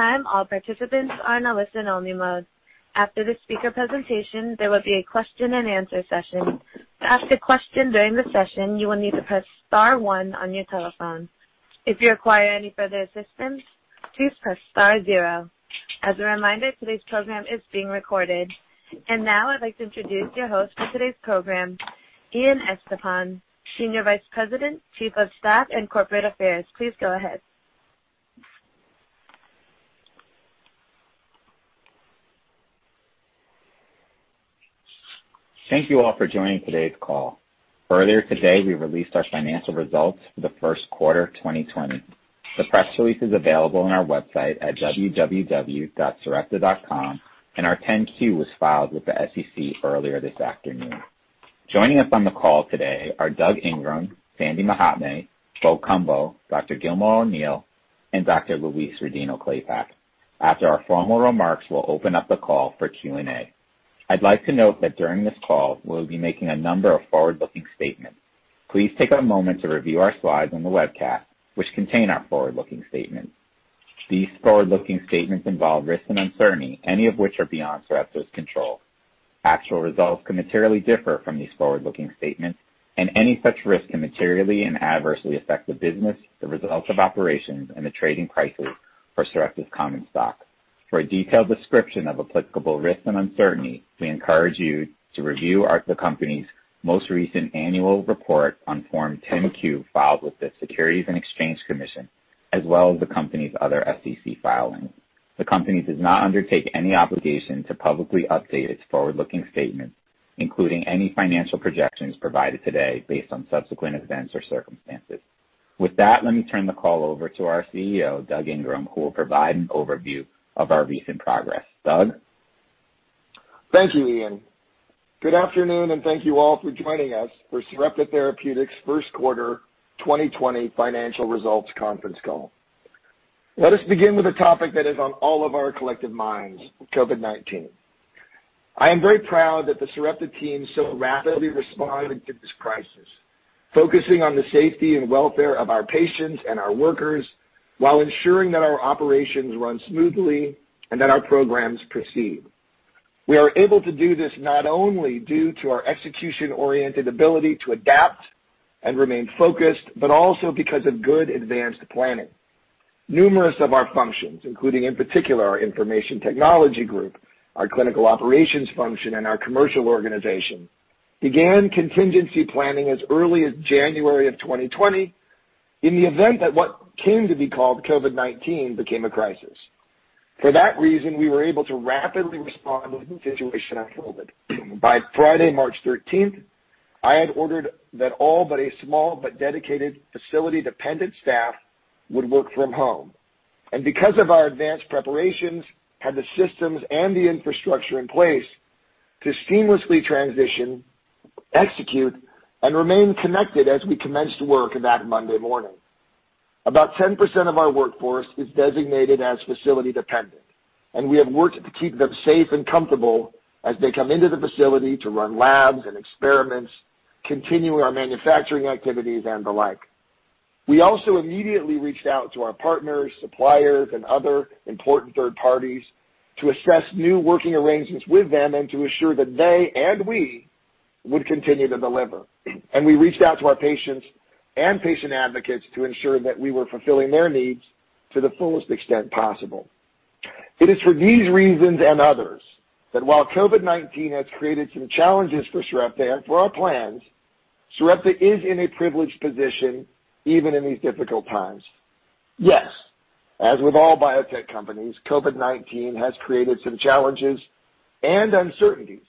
At this time, all participants are in a listen-only mode. After the speaker presentation, there will be a question and answer session. To ask a question during the session, you will need to press star one on your telephone. If you require any further assistance, please press star zero. As a reminder, today's program is being recorded. Now I'd like to introduce your host for today's program, Ian Estepan, Senior Vice President, Chief of Staff and Corporate Affairs. Please go ahead. Thank you all for joining today's call. Earlier today, we released our financial results for the first quarter 2020. The press release is available on our website at www.sarepta.com. Our 10-Q was filed with the SEC earlier this afternoon. Joining us on the call today are Doug Ingram, Sandy Mahatme, Bo Cumbo, Dr. Gilmore O'Neill, and Dr. Louise Rodino-Klapac. After our formal remarks, we'll open up the call for Q&A. I'd like to note that during this call, we'll be making a number of forward-looking statements. Please take a moment to review our slides on the webcast, which contain our forward-looking statements. These forward-looking statements involve risks and uncertainty, any of which are beyond Sarepta's control. Actual results can materially differ from these forward-looking statements. Any such risk can materially and adversely affect the business, the results of operations, and the trading prices for Sarepta's common stock. For a detailed description of applicable risk and uncertainty, we encourage you to review the company's most recent annual report on Form 10-Q filed with the Securities and Exchange Commission, as well as the company's other SEC filings. The company does not undertake any obligation to publicly update its forward-looking statement, including any financial projections provided today based on subsequent events or circumstances. With that, let me turn the call over to our CEO, Doug Ingram, who will provide an overview of our recent progress. Doug? Thank you, Ian. Good afternoon, thank you all for joining us for Sarepta Therapeutics' first quarter 2020 financial results conference call. Let us begin with a topic that is on all of our collective minds, COVID-19. I am very proud that the Sarepta team so rapidly responded to this crisis, focusing on the safety and welfare of our patients and our workers while ensuring that our operations run smoothly and that our programs proceed. We are able to do this not only due to our execution-oriented ability to adapt and remain focused, but also because of good advanced planning. Numerous of our functions, including in particular our information technology group, our clinical operations function, and our commercial organization, began contingency planning as early as January of 2020 in the event that what came to be called COVID-19 became a crisis. For that reason, we were able to rapidly respond to the situation of COVID. By Friday, March 13th, I had ordered that all but a small but dedicated facility-dependent staff would work from home. Because of our advanced preparations, had the systems and the infrastructure in place to seamlessly transition, execute, and remain connected as we commenced work that Monday morning. About 10% of our workforce is designated as facility-dependent, and we have worked to keep them safe and comfortable as they come into the facility to run labs and experiments, continuing our manufacturing activities and the like. We also immediately reached out to our partners, suppliers, and other important third parties to assess new working arrangements with them and to assure that they and we would continue to deliver. We reached out to our patients and patient advocates to ensure that we were fulfilling their needs to the fullest extent possible. It is for these reasons and others that while COVID-19 has created some challenges for Sarepta and for our plans, Sarepta is in a privileged position even in these difficult times. Yes, as with all biotech companies, COVID-19 has created some challenges and uncertainties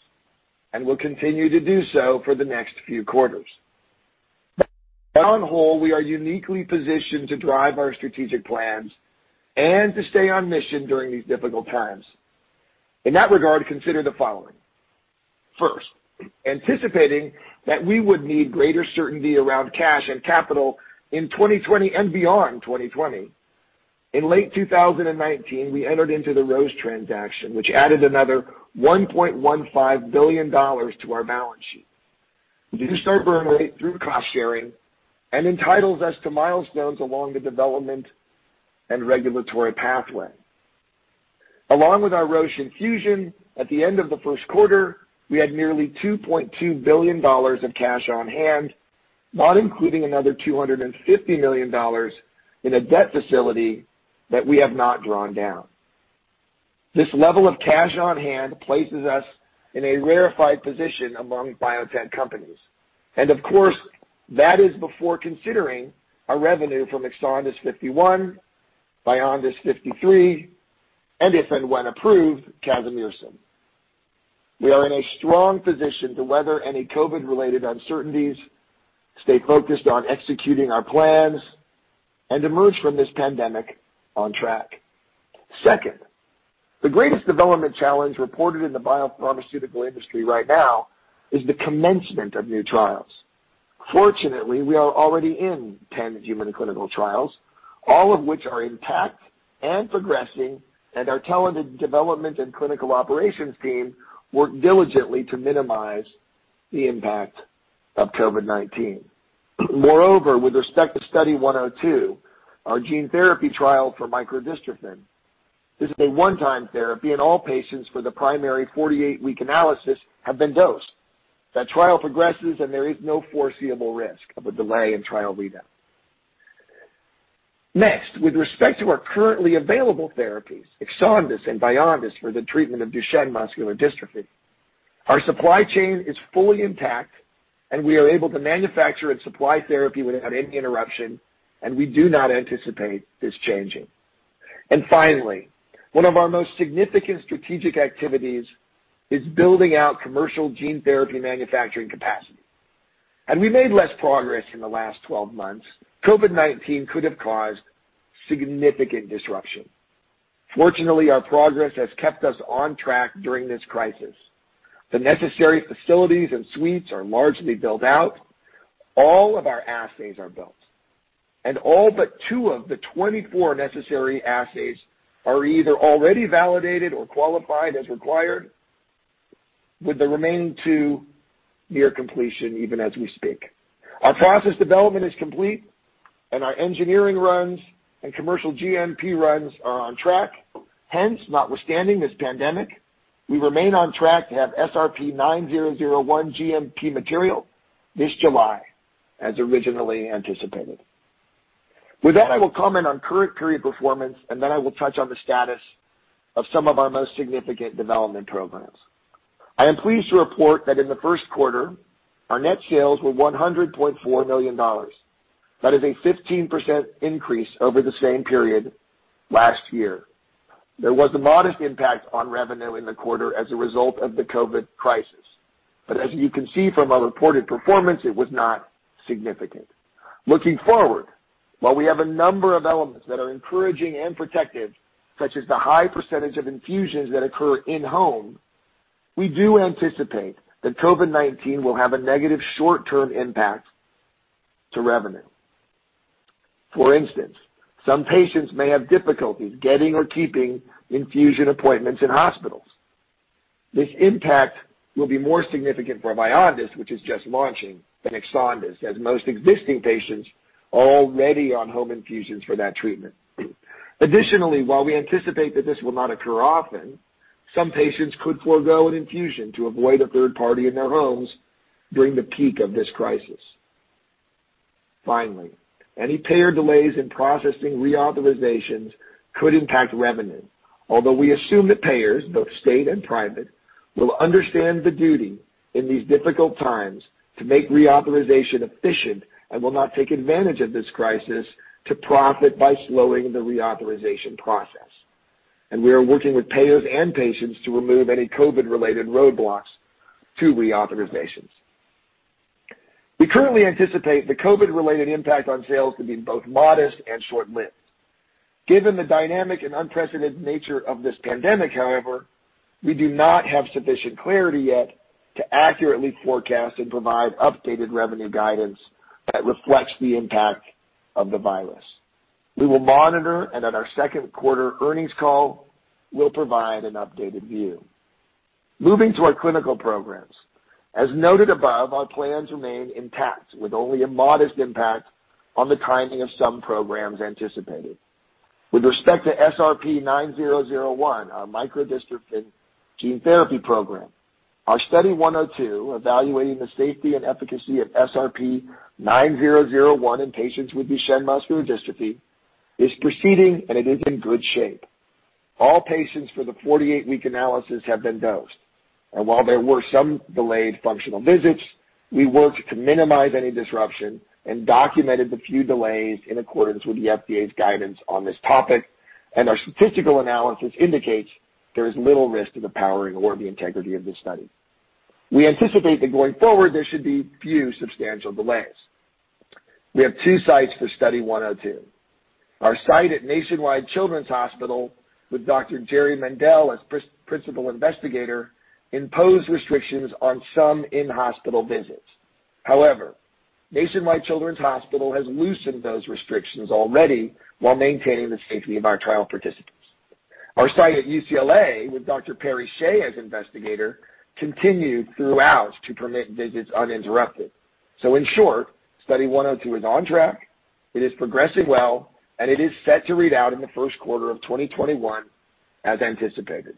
and will continue to do so for the next few quarters. On whole, we are uniquely positioned to drive our strategic plans and to stay on mission during these difficult times. In that regard, consider the following. First, anticipating that we would need greater certainty around cash and capital in 2020 and beyond 2020. In late 2019, we entered into the Roche transaction, which added another $1.15 billion to our balance sheet, reduced our burn rate through cost sharing, and entitles us to milestones along the development and regulatory pathway. Along with our Roche infusion at the end of the first quarter, we had nearly $2.2 billion of cash on hand, not including another $250 million in a debt facility that we have not drawn down. Of course, that is before considering our revenue from EXONDYS 51, VYONDYS 53, and if and when approved, casimersen. We are in a strong position to weather any COVID-related uncertainties, stay focused on executing our plans, and emerge from this pandemic on track. Second, the greatest development challenge reported in the biopharmaceutical industry right now is the commencement of new trials. Fortunately, we are already in 10 human clinical trials, all of which are intact and progressing, and our talented development and clinical operations team work diligently to minimize the impact of COVID-19. Moreover, with respect to Study 102, our gene therapy trial for micro-dystrophin, this is a one-time therapy, and all patients for the primary 48-week analysis have been dosed. That trial progresses, and there is no foreseeable risk of a delay in trial readout. Next, with respect to our currently available therapies, EXONDYS 51 and VYONDYS for the treatment of Duchenne muscular dystrophy, our supply chain is fully intact, and we are able to manufacture and supply therapy without any interruption, and we do not anticipate this changing. Finally, one of our most significant strategic activities is building out commercial gene therapy manufacturing capacity. Had we made less progress in the last 12 months, COVID-19 could have caused significant disruption. Fortunately, our progress has kept us on track during this crisis. The necessary facilities and suites are largely built out. All of our assays are built, and all but two of the 24 necessary assays are either already validated or qualified as required, with the remaining two near completion even as we speak. Our process development is complete, and our engineering runs and commercial GMP runs are on track. Notwithstanding this pandemic, we remain on track to have SRP-9001 GMP material this July, as originally anticipated. With that, I will comment on current period performance, and then I will touch on the status of some of our most significant development programs. I am pleased to report that in the first quarter, our net sales were $100.4 million. That is a 15% increase over the same period last year. There was a modest impact on revenue in the quarter as a result of the COVID crisis. As you can see from our reported performance, it was not significant. Looking forward, while we have a number of elements that are encouraging and protective, such as the high percentage of infusions that occur in-home, we do anticipate that COVID-19 will have a negative short-term impact to revenue. For instance, some patients may have difficulties getting or keeping infusion appointments in hospitals. This impact will be more significant for VYONDYS, which is just launching, than EXONDYS, as most existing patients are already on home infusions for that treatment. Additionally, while we anticipate that this will not occur often, some patients could forego an infusion to avoid a third party in their homes during the peak of this crisis. Finally, any payer delays in processing reauthorizations could impact revenue. We assume that payers, both state and private, will understand the duty in these difficult times to make reauthorization efficient and will not take advantage of this crisis to profit by slowing the reauthorization process. We are working with payers and patients to remove any COVID-related roadblocks to reauthorizations. We currently anticipate the COVID-related impact on sales to be both modest and short-lived. Given the dynamic and unprecedented nature of this pandemic, however, we do not have sufficient clarity yet to accurately forecast and provide updated revenue guidance that reflects the impact of the virus. We will monitor, at our second quarter earnings call, we'll provide an updated view. Moving to our clinical programs. As noted above, our plans remain intact with only a modest impact on the timing of some programs anticipated. With respect to SRP-9001, our micro-dystrophin gene therapy program, our Study 102 evaluating the safety and efficacy of SRP-9001 in patients with Duchenne muscular dystrophy is proceeding, and it is in good shape. All patients for the 48-week analysis have been dosed. While there were some delayed functional visits, we worked to minimize any disruption and documented the few delays in accordance with the FDA's guidance on this topic, and our statistical analysis indicates there is little risk to the powering or the integrity of this study. We anticipate that going forward, there should be few substantial delays. We have two sites for Study 102. Our site at Nationwide Children's Hospital with Dr. Jerry Mendell as principal investigator, imposed restrictions on some in-hospital visits. However, Nationwide Children's Hospital has loosened those restrictions already while maintaining the safety of our trial participants. Our site at UCLA, with Dr. Perry Shieh as investigator, continued throughout to permit visits uninterrupted. In short, Study 102 is on track. It is progressing well, and it is set to read out in the first quarter of 2021 as anticipated.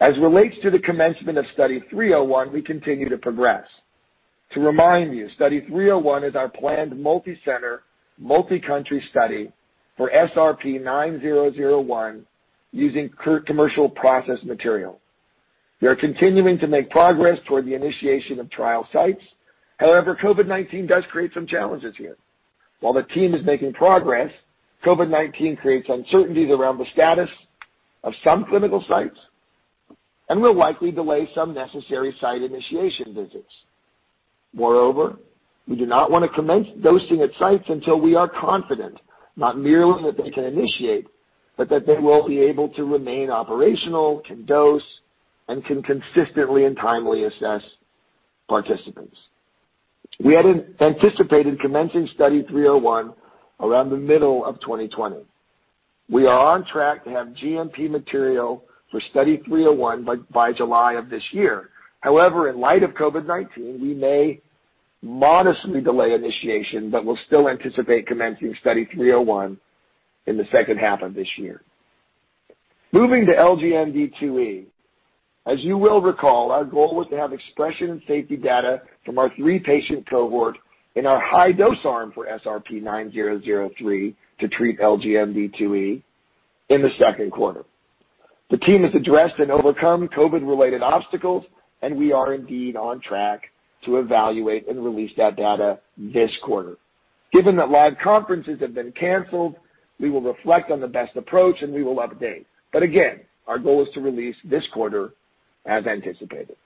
As relates to the commencement of Study 301, we continue to progress. To remind you, Study 301 is our planned multi-center, multi-country study for SRP-9001 using commercial process material. We are continuing to make progress toward the initiation of trial sites. COVID-19 does create some challenges here. While the team is making progress, COVID-19 creates uncertainties around the status of some clinical sites and will likely delay some necessary site initiation visits. Moreover, we do not want to commence dosing at sites until we are confident not merely that they can initiate, but that they will be able to remain operational, can dose, and can consistently and timely assess participants. We had anticipated commencing Study 301 around the middle of 2020. We are on track to have GMP material for Study 301 by July of this year. However, in light of COVID-19, we may modestly delay initiation, but we'll still anticipate commencing Study 301 in the second half of this year. Moving to LGMD2E. As you will recall, our goal was to have expression and safety data from our three-patient cohort in our high-dose arm for SRP-9003 to treat LGMD2E in the second quarter. The team has addressed and overcome COVID-related obstacles, and we are indeed on track to evaluate and release that data this quarter. Given that live conferences have been canceled, we will reflect on the best approach, and we will update. Again, our goal is to release this quarter as anticipated.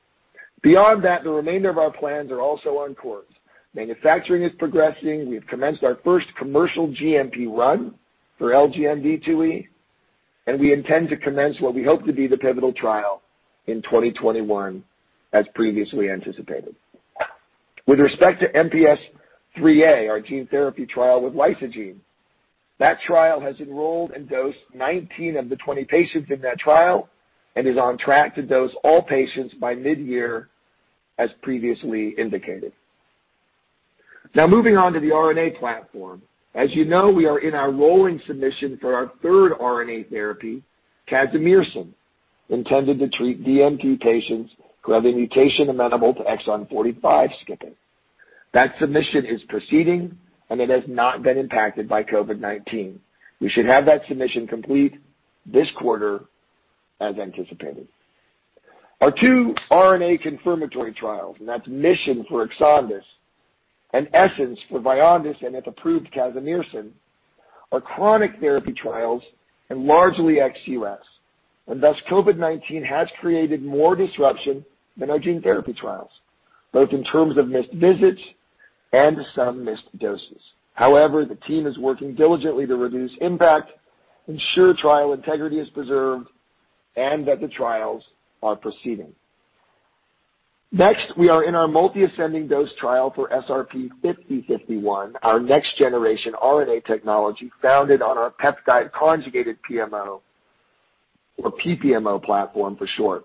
Beyond that, the remainder of our plans are also on course. Manufacturing is progressing. We have commenced our first commercial GMP run for LGMD2E, and we intend to commence what we hope to be the pivotal trial in 2021, as previously anticipated. With respect to MPS 3A, our gene therapy trial with Lysogene, that trial has enrolled and dosed 19 of the 20 patients in that trial and is on track to dose all patients by mid-year, as previously indicated. Now moving on to the RNA platform. As you know, we are in our rolling submission for our third RNA therapy, casimersen, intended to treat DMD patients who have a mutation amenable to exon 45 skipping. That submission is proceeding, and it has not been impacted by COVID-19. We should have that submission complete this quarter as anticipated. Our two RNA confirmatory trials, and that's MISSION for EXONDYS and ESSENCE for VYONDYS and, if approved, casimersen, are chronic therapy trials and largely ex-U.S. Thus, COVID-19 has created more disruption than our gene therapy trials, both in terms of missed visits and some missed doses. However, the team is working diligently to reduce impact, ensure trial integrity is preserved, and that the trials are proceeding. Next, we are in our multi-ascending dose trial for SRP-5051, our next-generation RNA technology founded on our peptide conjugated PMO, or PPMO platform for short.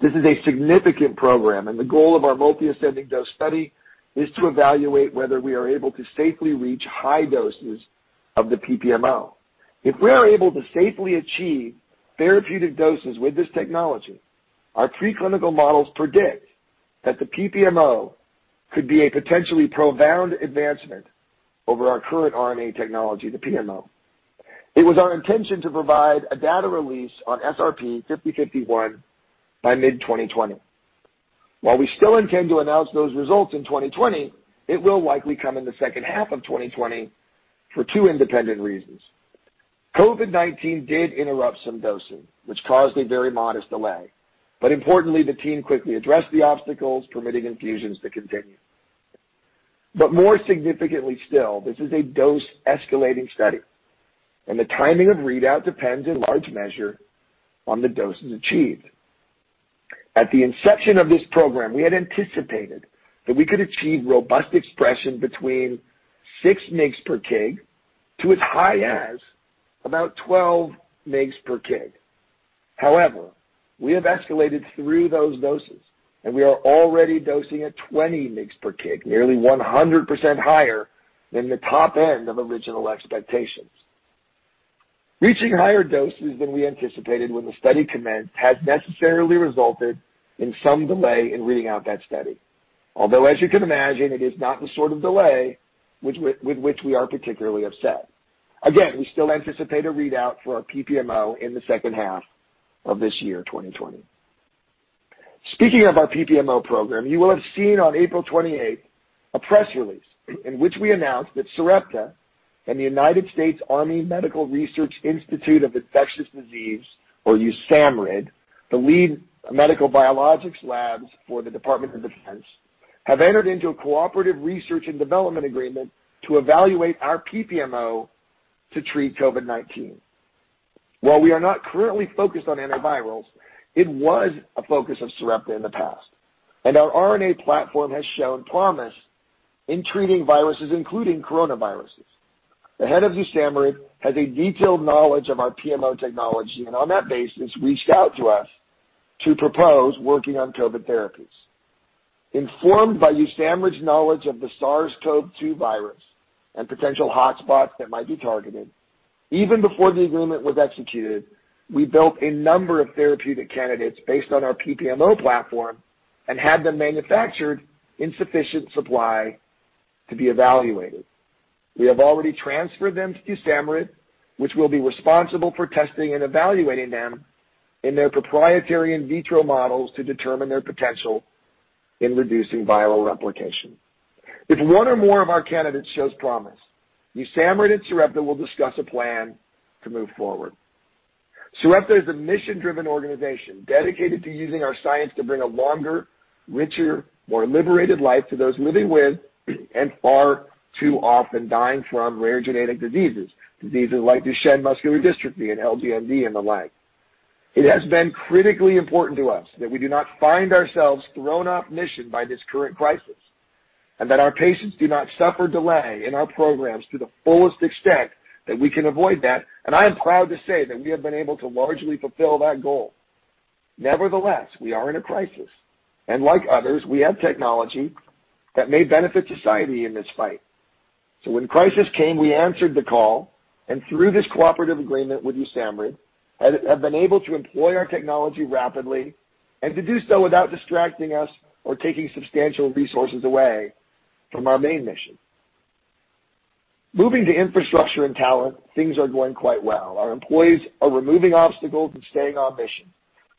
This is a significant program, and the goal of our multi-ascending dose study is to evaluate whether we are able to safely reach high doses of the PPMO. If we are able to safely achieve therapeutic doses with this technology, our preclinical models predict that the PPMO could be a potentially profound advancement over our current RNA technology, the PMO. It was our intention to provide a data release on SRP-5051 by mid-2020. While we still intend to announce those results in 2020, it will likely come in the second half of 2020 for two independent reasons. COVID-19 did interrupt some dosing, which caused a very modest delay. Importantly, the team quickly addressed the obstacles, permitting infusions to continue. More significantly still, this is a dose-escalating study, and the timing of readout depends in large measure on the doses achieved. At the inception of this program, we had anticipated that we could achieve robust expression between 6 mg/kg to as high as about 12 mg/kg. However, we have escalated through those doses, and we are already dosing at 20 mg/kg, nearly 100% higher than the top end of original expectations. Reaching higher doses than we anticipated when the study commenced has necessarily resulted in some delay in reading out that study. As you can imagine, it is not the sort of delay with which we are particularly upset. We still anticipate a readout for our PPMO in the second half of this year, 2020. Speaking of our PPMO program, you will have seen on April 28th a press release in which we announced that Sarepta and the United States Army Medical Research Institute of Infectious Diseases, or USAMRIID, the lead medical biologics labs for the Department of Defense, have entered into a cooperative research and development agreement to evaluate our PPMO to treat COVID-19. While we are not currently focused on antivirals, it was a focus of Sarepta in the past, and our RNA platform has shown promise in treating viruses, including coronaviruses. The head of USAMRIID has a detailed knowledge of our PMO technology and on that basis, reached out to us to propose working on COVID therapies. Informed by USAMRIID's knowledge of the SARS-CoV-2 virus and potential hotspots that might be targeted, even before the agreement was executed, we built a number of therapeutic candidates based on our PPMO platform and had them manufactured in sufficient supply to be evaluated. We have already transferred them to USAMRIID, which will be responsible for testing and evaluating them in their proprietary in vitro models to determine their potential in reducing viral replication. If one or more of our candidates shows promise, USAMRIID and Sarepta will discuss a plan to move forward. Sarepta is a mission-driven organization dedicated to using our science to bring a longer, richer, more liberated life to those living with and far too often dying from rare genetic diseases like Duchenne muscular dystrophy and LGMD and the like. It has been critically important to us that we do not find ourselves thrown off mission by this current crisis, and that our patients do not suffer delay in our programs to the fullest extent that we can avoid that. I am proud to say that we have been able to largely fulfill that goal. Nevertheless, we are in a crisis, and like others, we have technology that may benefit society in this fight. When crisis came, we answered the call, and through this cooperative agreement with USAMRIID, have been able to employ our technology rapidly and to do so without distracting us or taking substantial resources away from our main mission. Moving to infrastructure and talent, things are going quite well. Our employees are removing obstacles and staying on mission.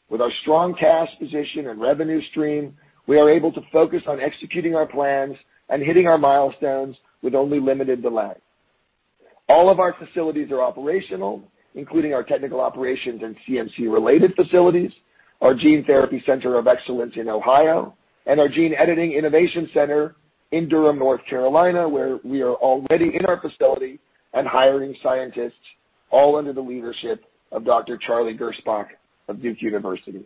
With our strong cash position and revenue stream, we are able to focus on executing our plans and hitting our milestones with only limited delay. All of our facilities are operational, including our technical operations and CMC-related facilities, our Gene Therapy Center of Excellence in Ohio, and our Gene Editing Innovation Center in Durham, North Carolina, where we are already in our facility and hiring scientists, all under the leadership of Dr. Charlie Gersbach of Duke University.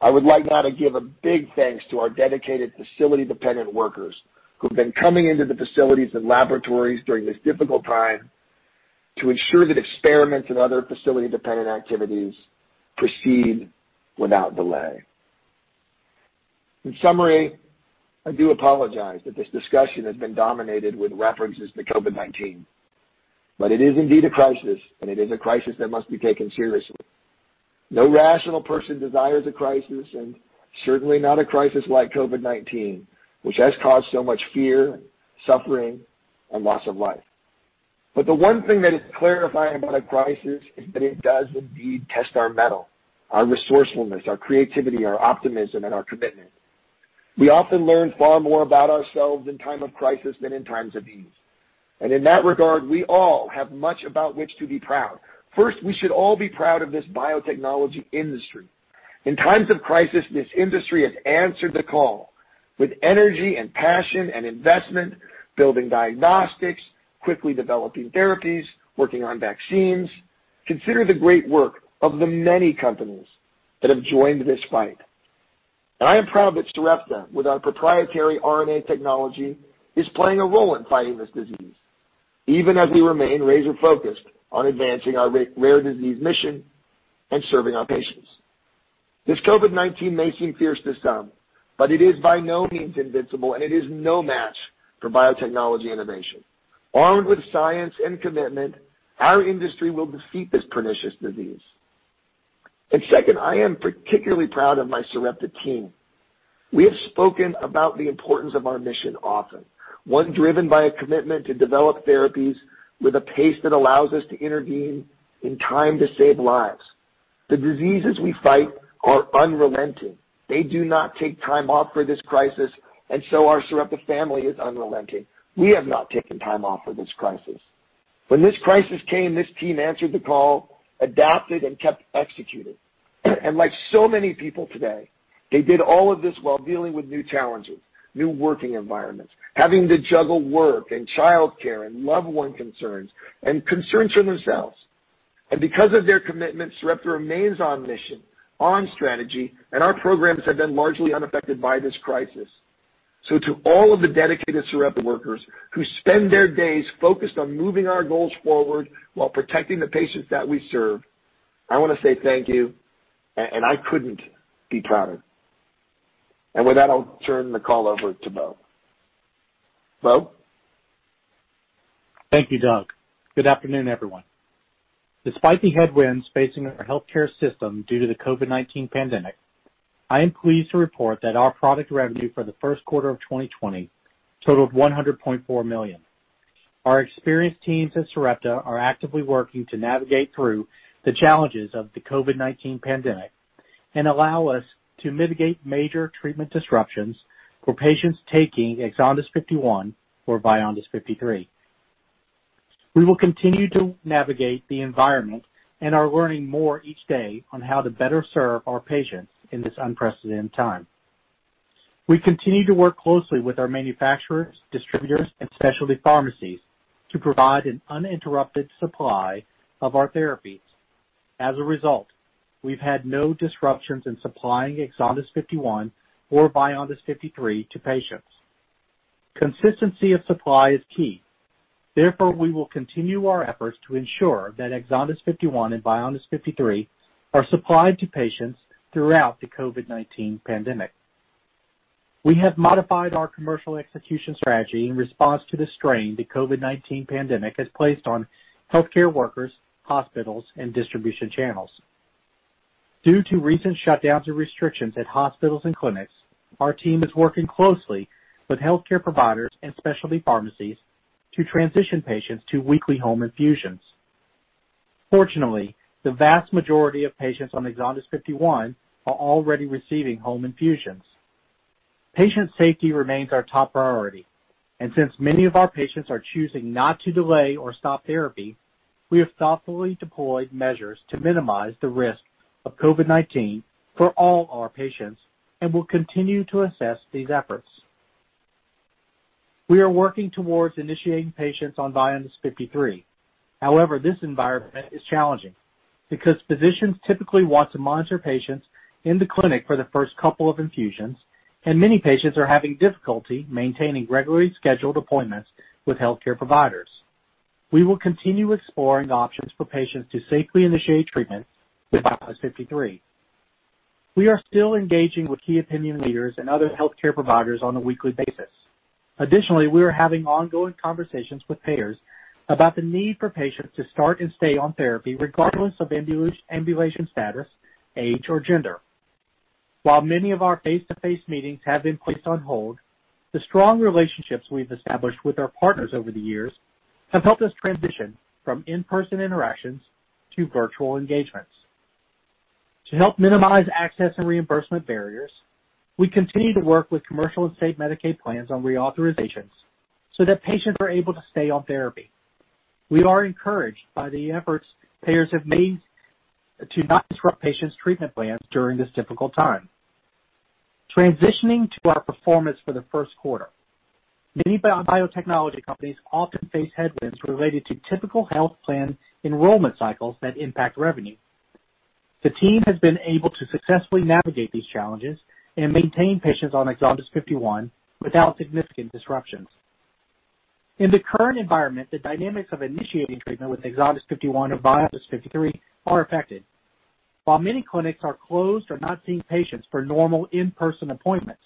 I would like now to give a big thanks to our dedicated facility-dependent workers who've been coming into the facilities and laboratories during this difficult time to ensure that experiments and other facility-dependent activities proceed without delay. In summary, I do apologize that this discussion has been dominated with references to COVID-19, but it is indeed a crisis, and it is a crisis that must be taken seriously. No rational person desires a crisis, and certainly not a crisis like COVID-19, which has caused so much fear, suffering, and loss of life. The one thing that is clarifying about a crisis is that it does indeed test our mettle, our resourcefulness, our creativity, our optimism, and our commitment. We often learn far more about ourselves in time of crisis than in times of ease. In that regard, we all have much about which to be proud. First, we should all be proud of this biotechnology industry. In times of crisis, this industry has answered the call with energy and passion and investment, building diagnostics, quickly developing therapies, working on vaccines. Consider the great work of the many companies that have joined this fight. I am proud that Sarepta, with our proprietary RNA technology, is playing a role in fighting this disease, even as we remain laser-focused on advancing our rare disease mission and serving our patients. This COVID-19 may seem fierce to some, but it is by no means invincible, and it is no match for biotechnology innovation. Armed with science and commitment, our industry will defeat this pernicious disease. Second, I am particularly proud of my Sarepta team. We have spoken about the importance of our mission often, one driven by a commitment to develop therapies with a pace that allows us to intervene in time to save lives. The diseases we fight are unrelenting. They do not take time off for this crisis. Our Sarepta family is unrelenting. We have not taken time off for this crisis. When this crisis came, this team answered the call, adapted, and kept executing. Like so many people today, they did all of this while dealing with new challenges, new working environments, having to juggle work and childcare, and loved one concerns and concerns for themselves. Because of their commitment, Sarepta remains on mission, on strategy, and our programs have been largely unaffected by this crisis. To all of the dedicated Sarepta workers who spend their days focused on moving our goals forward while protecting the patients that we serve, I want to say thank you, and I couldn't be prouder. With that, I'll turn the call over to Bo. Bo? Thank you, Doug. Good afternoon, everyone. Despite the headwinds facing our healthcare system due to the COVID-19 pandemic, I am pleased to report that our product revenue for the first quarter of 2020 totaled $100.4 million. Our experienced teams at Sarepta are actively working to navigate through the challenges of the COVID-19 pandemic and allow us to mitigate major treatment disruptions for patients taking EXONDYS 51 or VYONDYS 53. We will continue to navigate the environment and are learning more each day on how to better serve our patients in this unprecedented time. We continue to work closely with our manufacturers, distributors, and specialty pharmacies to provide an uninterrupted supply of our therapies. As a result, we've had no disruptions in supplying EXONDYS 51 or VYONDYS 53 to patients. Consistency of supply is key. Therefore, we will continue our efforts to ensure that EXONDYS 51 and VYONDYS 53 are supplied to patients throughout the COVID-19 pandemic. We have modified our commercial execution strategy in response to the strain the COVID-19 pandemic has placed on healthcare workers, hospitals, and distribution channels. Due to recent shutdowns and restrictions at hospitals and clinics, our team is working closely with healthcare providers and specialty pharmacies to transition patients to weekly home infusions. Fortunately, the vast majority of patients on EXONDYS 51 are already receiving home infusions. Patient safety remains our top priority, and since many of our patients are choosing not to delay or stop therapy, we have thoughtfully deployed measures to minimize the risk of COVID-19 for all our patients and will continue to assess these efforts. We are working towards initiating patients on VYONDYS 53. This environment is challenging because physicians typically want to monitor patients in the clinic for the first couple of infusions, and many patients are having difficulty maintaining regularly scheduled appointments with healthcare providers. We will continue exploring options for patients to safely initiate treatment with VYONDYS 53. We are still engaging with key opinion leaders and other healthcare providers on a weekly basis. We are having ongoing conversations with payers about the need for patients to start and stay on therapy regardless of ambulation status, age, or gender. While many of our face-to-face meetings have been placed on hold, the strong relationships we've established with our partners over the years have helped us transition from in-person interactions to virtual engagements. To help minimize access and reimbursement barriers, we continue to work with commercial and state Medicaid plans on reauthorizations so that patients are able to stay on therapy. We are encouraged by the efforts payers have made to not disrupt patients' treatment plans during this difficult time. Transitioning to our performance for the first quarter. Many biotechnology companies often face headwinds related to typical health plan enrollment cycles that impact revenue. The team has been able to successfully navigate these challenges and maintain patients on EXONDYS 51 without significant disruptions. In the current environment, the dynamics of initiating treatment with EXONDYS 51 or VYONDYS 53 are affected. While many clinics are closed or not seeing patients for normal in-person appointments,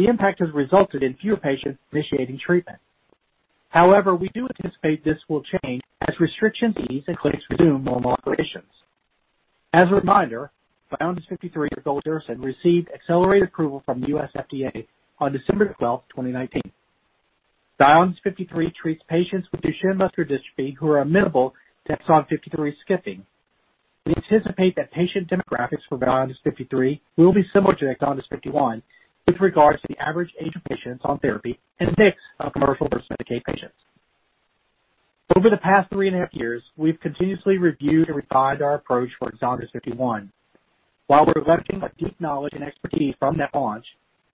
the impact has resulted in fewer patients initiating treatment. We do anticipate this will change as restrictions ease and clinics resume normal operations. As a reminder, VYONDYS 53 is a drug that received accelerated approval from the FDA on December 12th, 2019. VYONDYS 53 treats patients with Duchenne muscular dystrophy who are amenable to exon 53 skipping. We anticipate that patient demographics for VYONDYS 53 will be similar to EXONDYS 51 with regards to the average age of patients on therapy and the mix of commercial versus Medicaid patients. Over the past three and a half years, we've continuously reviewed and revised our approach for EXONDYS 51. While we're leveraging our deep knowledge and expertise from that launch,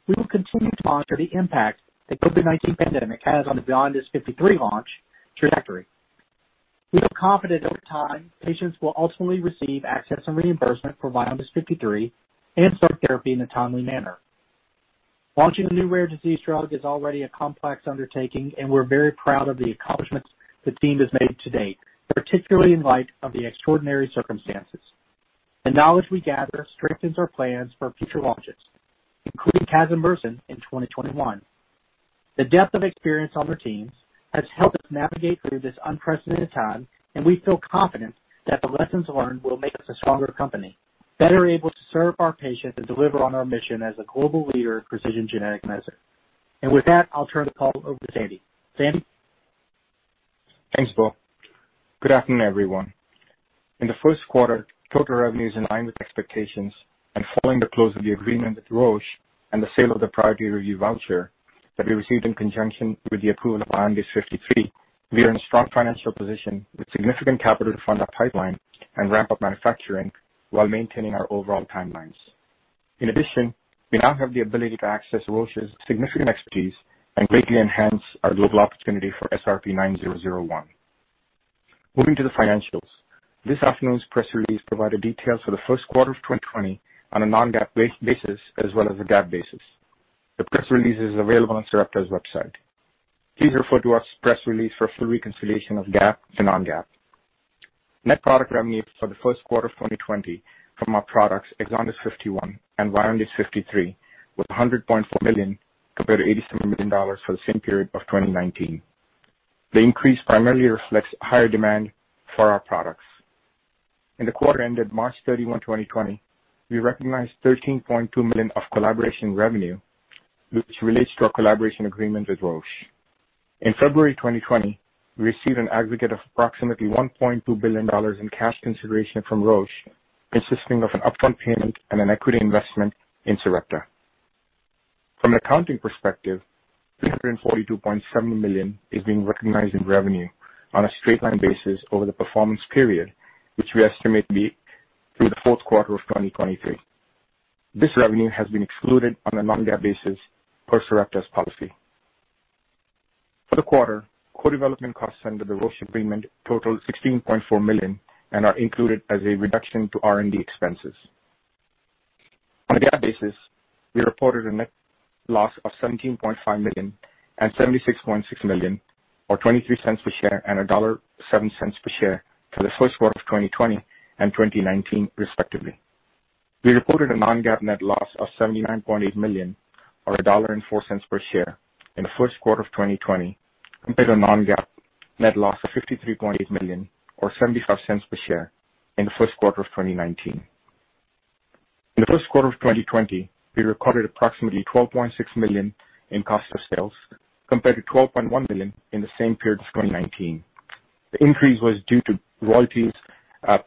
we will continue to monitor the impact the COVID-19 pandemic has on the VYONDYS 53 launch trajectory. We are confident over time patients will ultimately receive access and reimbursement for VYONDYS 53 and start therapy in a timely manner. Launching a new rare disease drug is already a complex undertaking, and we're very proud of the accomplishments the team has made to date, particularly in light of the extraordinary circumstances. The knowledge we gather strengthens our plans for future launches, including Casimersen in 2021. We feel confident that the lessons learned will make us a stronger company, better able to serve our patients and deliver on our mission as a global leader in precision genetic medicine. With that, I'll turn the call over to Sandy. Sandy? Thanks, Bo. Good afternoon, everyone. In the first quarter, total revenue is in line with expectations and following the close of the agreement with Roche and the sale of the priority review voucher that we received in conjunction with the approval of VYONDYS 53. We are in a strong financial position with significant capital to fund our pipeline and ramp up manufacturing while maintaining our overall timelines. In addition, we now have the ability to access Roche's significant expertise and greatly enhance our global opportunity for SRP-9001. Moving to the financials. This afternoon's press release provided details for the first quarter of 2020 on a non-GAAP basis as well as a GAAP basis. The press release is available on Sarepta's website. Please refer to our press release for a full reconciliation of GAAP to non-GAAP. Net product revenues for the first quarter of 2020 from our products, EXONDYS 51 and VYONDYS 53, was $100.4 million compared to $87 million for the same period of 2019. The increase primarily reflects higher demand for our products. In the quarter ended March 31, 2020, we recognized $13.2 million of collaboration revenue, which relates to our collaboration agreement with Roche. In February 2020, we received an aggregate of approximately $1.2 billion in cash consideration from Roche, consisting of an upfront payment and an equity investment in Sarepta. From an accounting perspective, $342.7 million is being recognized in revenue on a straight line basis over the performance period, which we estimate to be through the fourth quarter of 2023. This revenue has been excluded on a non-GAAP basis per Sarepta's policy. For the quarter, co-development costs under the Roche agreement totaled $16.4 million and are included as a reduction to R&D expenses. On a GAAP basis, we reported a net loss of $17.5 million and $76.6 million, or $0.23 per share and $1.07 per share for the first quarter of 2020 and 2019, respectively. We reported a non-GAAP net loss of $79.8 million or $1.04 per share in the first quarter of 2020 compared to non-GAAP net loss of $53.8 million or $0.75 per share in the first quarter of 2019. In the first quarter of 2020, we recorded approximately $12.6 million in cost of sales compared to $12.1 million in the same period of 2019. The increase was due to royalties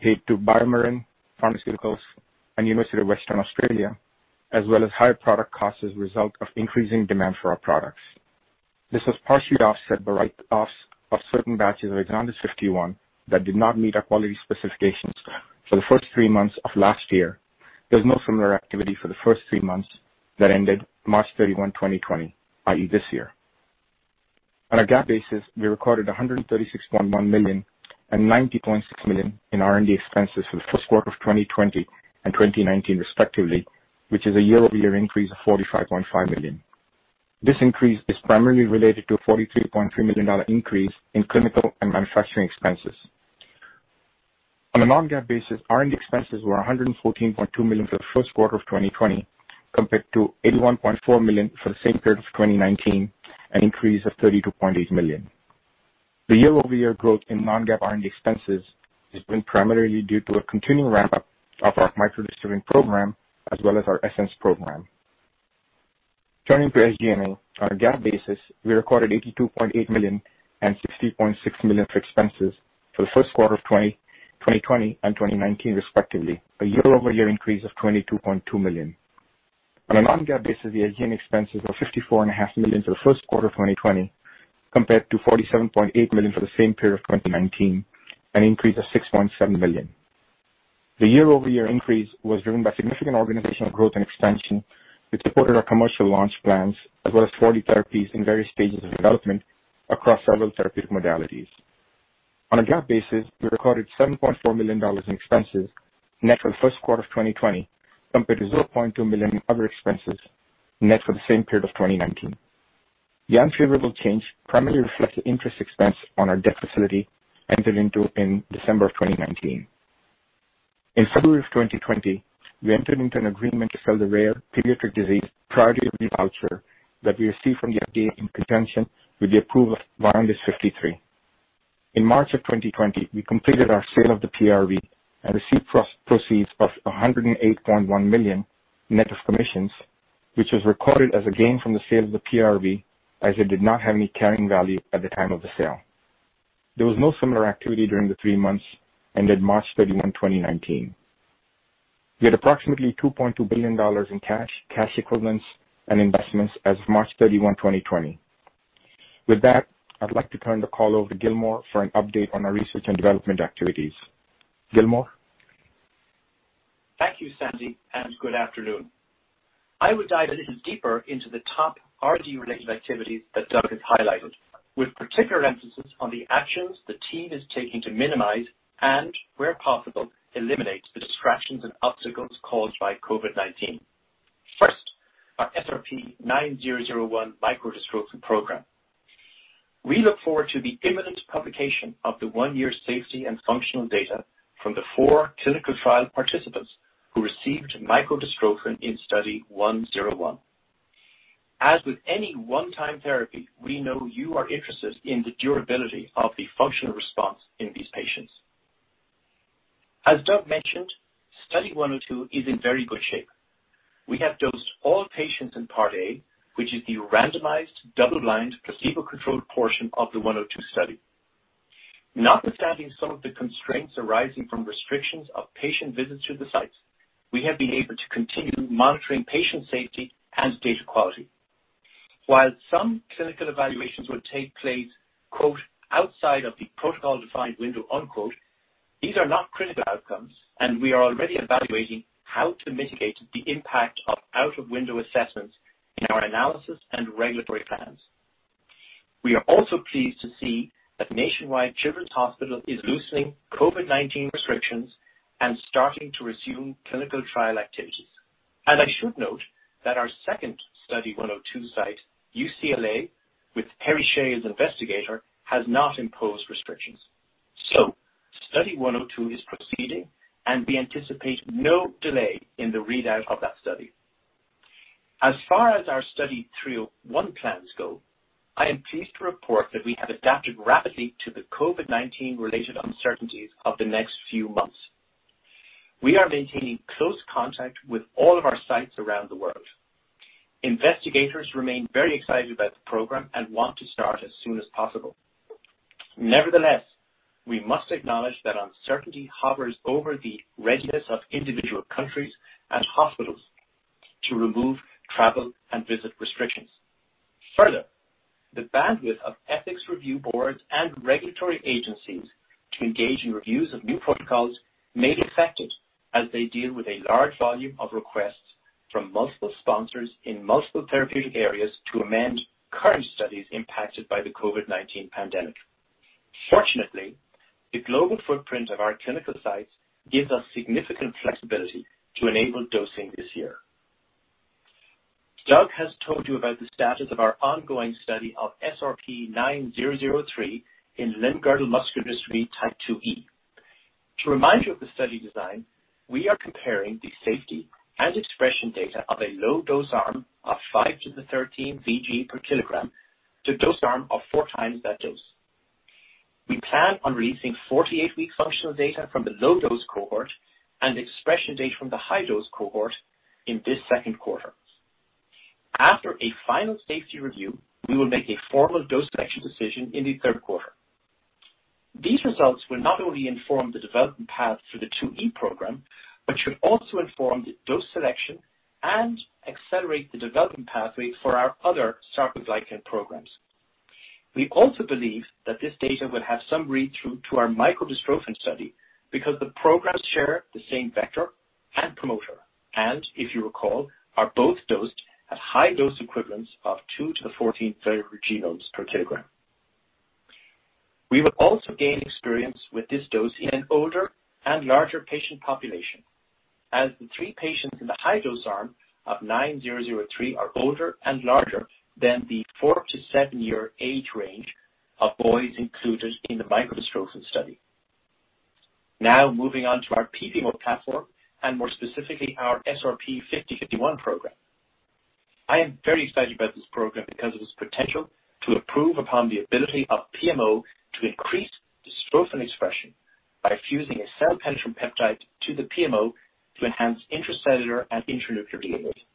paid to BioMarin Pharmaceuticals and University of Western Australia, as well as higher product costs as a result of increasing demand for our products. This has partially offset the write-offs of certain batches of EXONDYS 51 that did not meet our quality specifications for the first three months of last year. There was no similar activity for the first three months that ended March 31, 2020, i.e., this year. On a GAAP basis, we recorded $136.1 million and $90.6 million in R&D expenses for the first quarter of 2020 and 2019 respectively, which is a year-over-year increase of $45.5 million. This increase is primarily related to a $43.3 million increase in clinical and manufacturing expenses. On a non-GAAP basis, R&D expenses were $114.2 million for the first quarter of 2020, compared to $81.4 million for the same period of 2019, an increase of $32.8 million. The year-over-year growth in non-GAAP R&D expenses has been primarily due to a continuing ramp-up of our micro-dystrophin program, as well as our ESSENCE program. Turning to SG&A. On a GAAP basis, we recorded $82.8 million and $60.6 million for expenses for the first quarter of 2020 and 2019 respectively, a year-over-year increase of $22.2 million. On a non-GAAP basis, the SG&A expenses were $54.5 million for the first quarter of 2020, compared to $47.8 million for the same period of 2019, an increase of $6.7 million. The year-over-year increase was driven by significant organizational growth and expansion, which supported our commercial launch plans, as well as 40 therapies in various stages of development across several therapeutic modalities. On a GAAP basis, we recorded $7.4 million in expenses net for the first quarter of 2020, compared to $0.2 million in other expenses net for the same period of 2019. The unfavorable change primarily reflects the interest expense on our debt facility entered into in December 2019. In February 2020, we entered into an agreement to sell the rare pediatric disease priority review voucher that we received from the FDA in conjunction with the approval of VYONDYS 53. In March 2020, we completed our sale of the PRV and received proceeds of $108.1 million net of commissions, which was recorded as a gain from the sale of the PRV, as it did not have any carrying value at the time of the sale. There was no similar activity during the three months ended March 31, 2019. We had approximately $2.2 billion in cash equivalents, and investments as of March 31, 2020. With that, I'd like to turn the call over to Gilmore for an update on our research and development activities. Gilmore? Thank you, Sandy, and good afternoon. I will dive a little deeper into the top R&D-related activities that Doug has highlighted, with particular emphasis on the actions the team is taking to minimize and, where possible, eliminate the distractions and obstacles caused by COVID-19. First, our SRP-9001 micro-dystrophin program. We look forward to the imminent publication of the one-year safety and functional data from the four clinical trial participants who received micro-dystrophin in Study 101. As with any one-time therapy, we know you are interested in the durability of the functional response in these patients. As Doug mentioned, Study 102 is in very good shape. We have dosed all patients in Part A, which is the randomized, double-blind, placebo-controlled portion of the 102 study. Notwithstanding some of the constraints arising from restrictions of patient visits to the sites, we have been able to continue monitoring patient safety and data quality. While some clinical evaluations will take place, quote, "outside of the protocol-defined window," unquote, these are not critical outcomes, and we are already evaluating how to mitigate the impact of out-of-window assessments in our analysis and regulatory plans. We are also pleased to see that Nationwide Children's Hospital is loosening COVID-19 restrictions and starting to resume clinical trial activities. I should note that our second Study 102 site, UCLA, with Perry Shieh as investigator, has not imposed restrictions. Study 102 is proceeding, and we anticipate no delay in the readout of that study. As far as our Study 301 plans go, I am pleased to report that we have adapted rapidly to the COVID-19-related uncertainties of the next few months. We are maintaining close contact with all of our sites around the world. Investigators remain very excited about the program and want to start as soon as possible. Nevertheless, we must acknowledge that uncertainty hovers over the readiness of individual countries and hospitals to remove travel and visit restrictions. The bandwidth of ethics review boards and regulatory agencies to engage in reviews of new protocols may be affected as they deal with a large volume of requests from multiple sponsors in multiple therapeutic areas to amend current studies impacted by the COVID-19 pandemic. Fortunately, the global footprint of our clinical sites gives us significant flexibility to enable dosing this year. Doug has told you about the status of our ongoing study of SRP-9003 in llimg-girdle muscular dystrophy type 2E. To remind you of the study design, we are comparing the safety and expression data of a low dose arm of 5 x 10^13 VG per kilogram to a dose arm of four times that dose. We plan on releasing 48-week functional data from the low-dose cohort and expression data from the high-dose cohort in this second quarter. After a final safety review, we will make a formal dose selection decision in the third quarter. These results will not only inform the development path for the LGMD2E program, but should also inform the dose selection and accelerate the development pathway for our other sarcoglycan programs. We also believe that this data will have some read-through to our micro-dystrophin study because the programs share the same vector and promoter, and if you recall, are both dosed at high dose equivalents of 2 x 10^14 viral genomes per kilogram. We will also gain experience with this dose in an older and larger patient population, as the three patients in the high dose arm of SRP-9003 are older and larger than the four to seven year age range of boys included in the micro-dystrophin study. Moving on to our PPMO platform, and more specifically, our SRP-5051 program. I am very excited about this program because of its potential to improve upon the ability of PMO to increase dystrophin expression by fusing a cell-penetrating peptide to the PMO to enhance intracellular and internuclear delivery.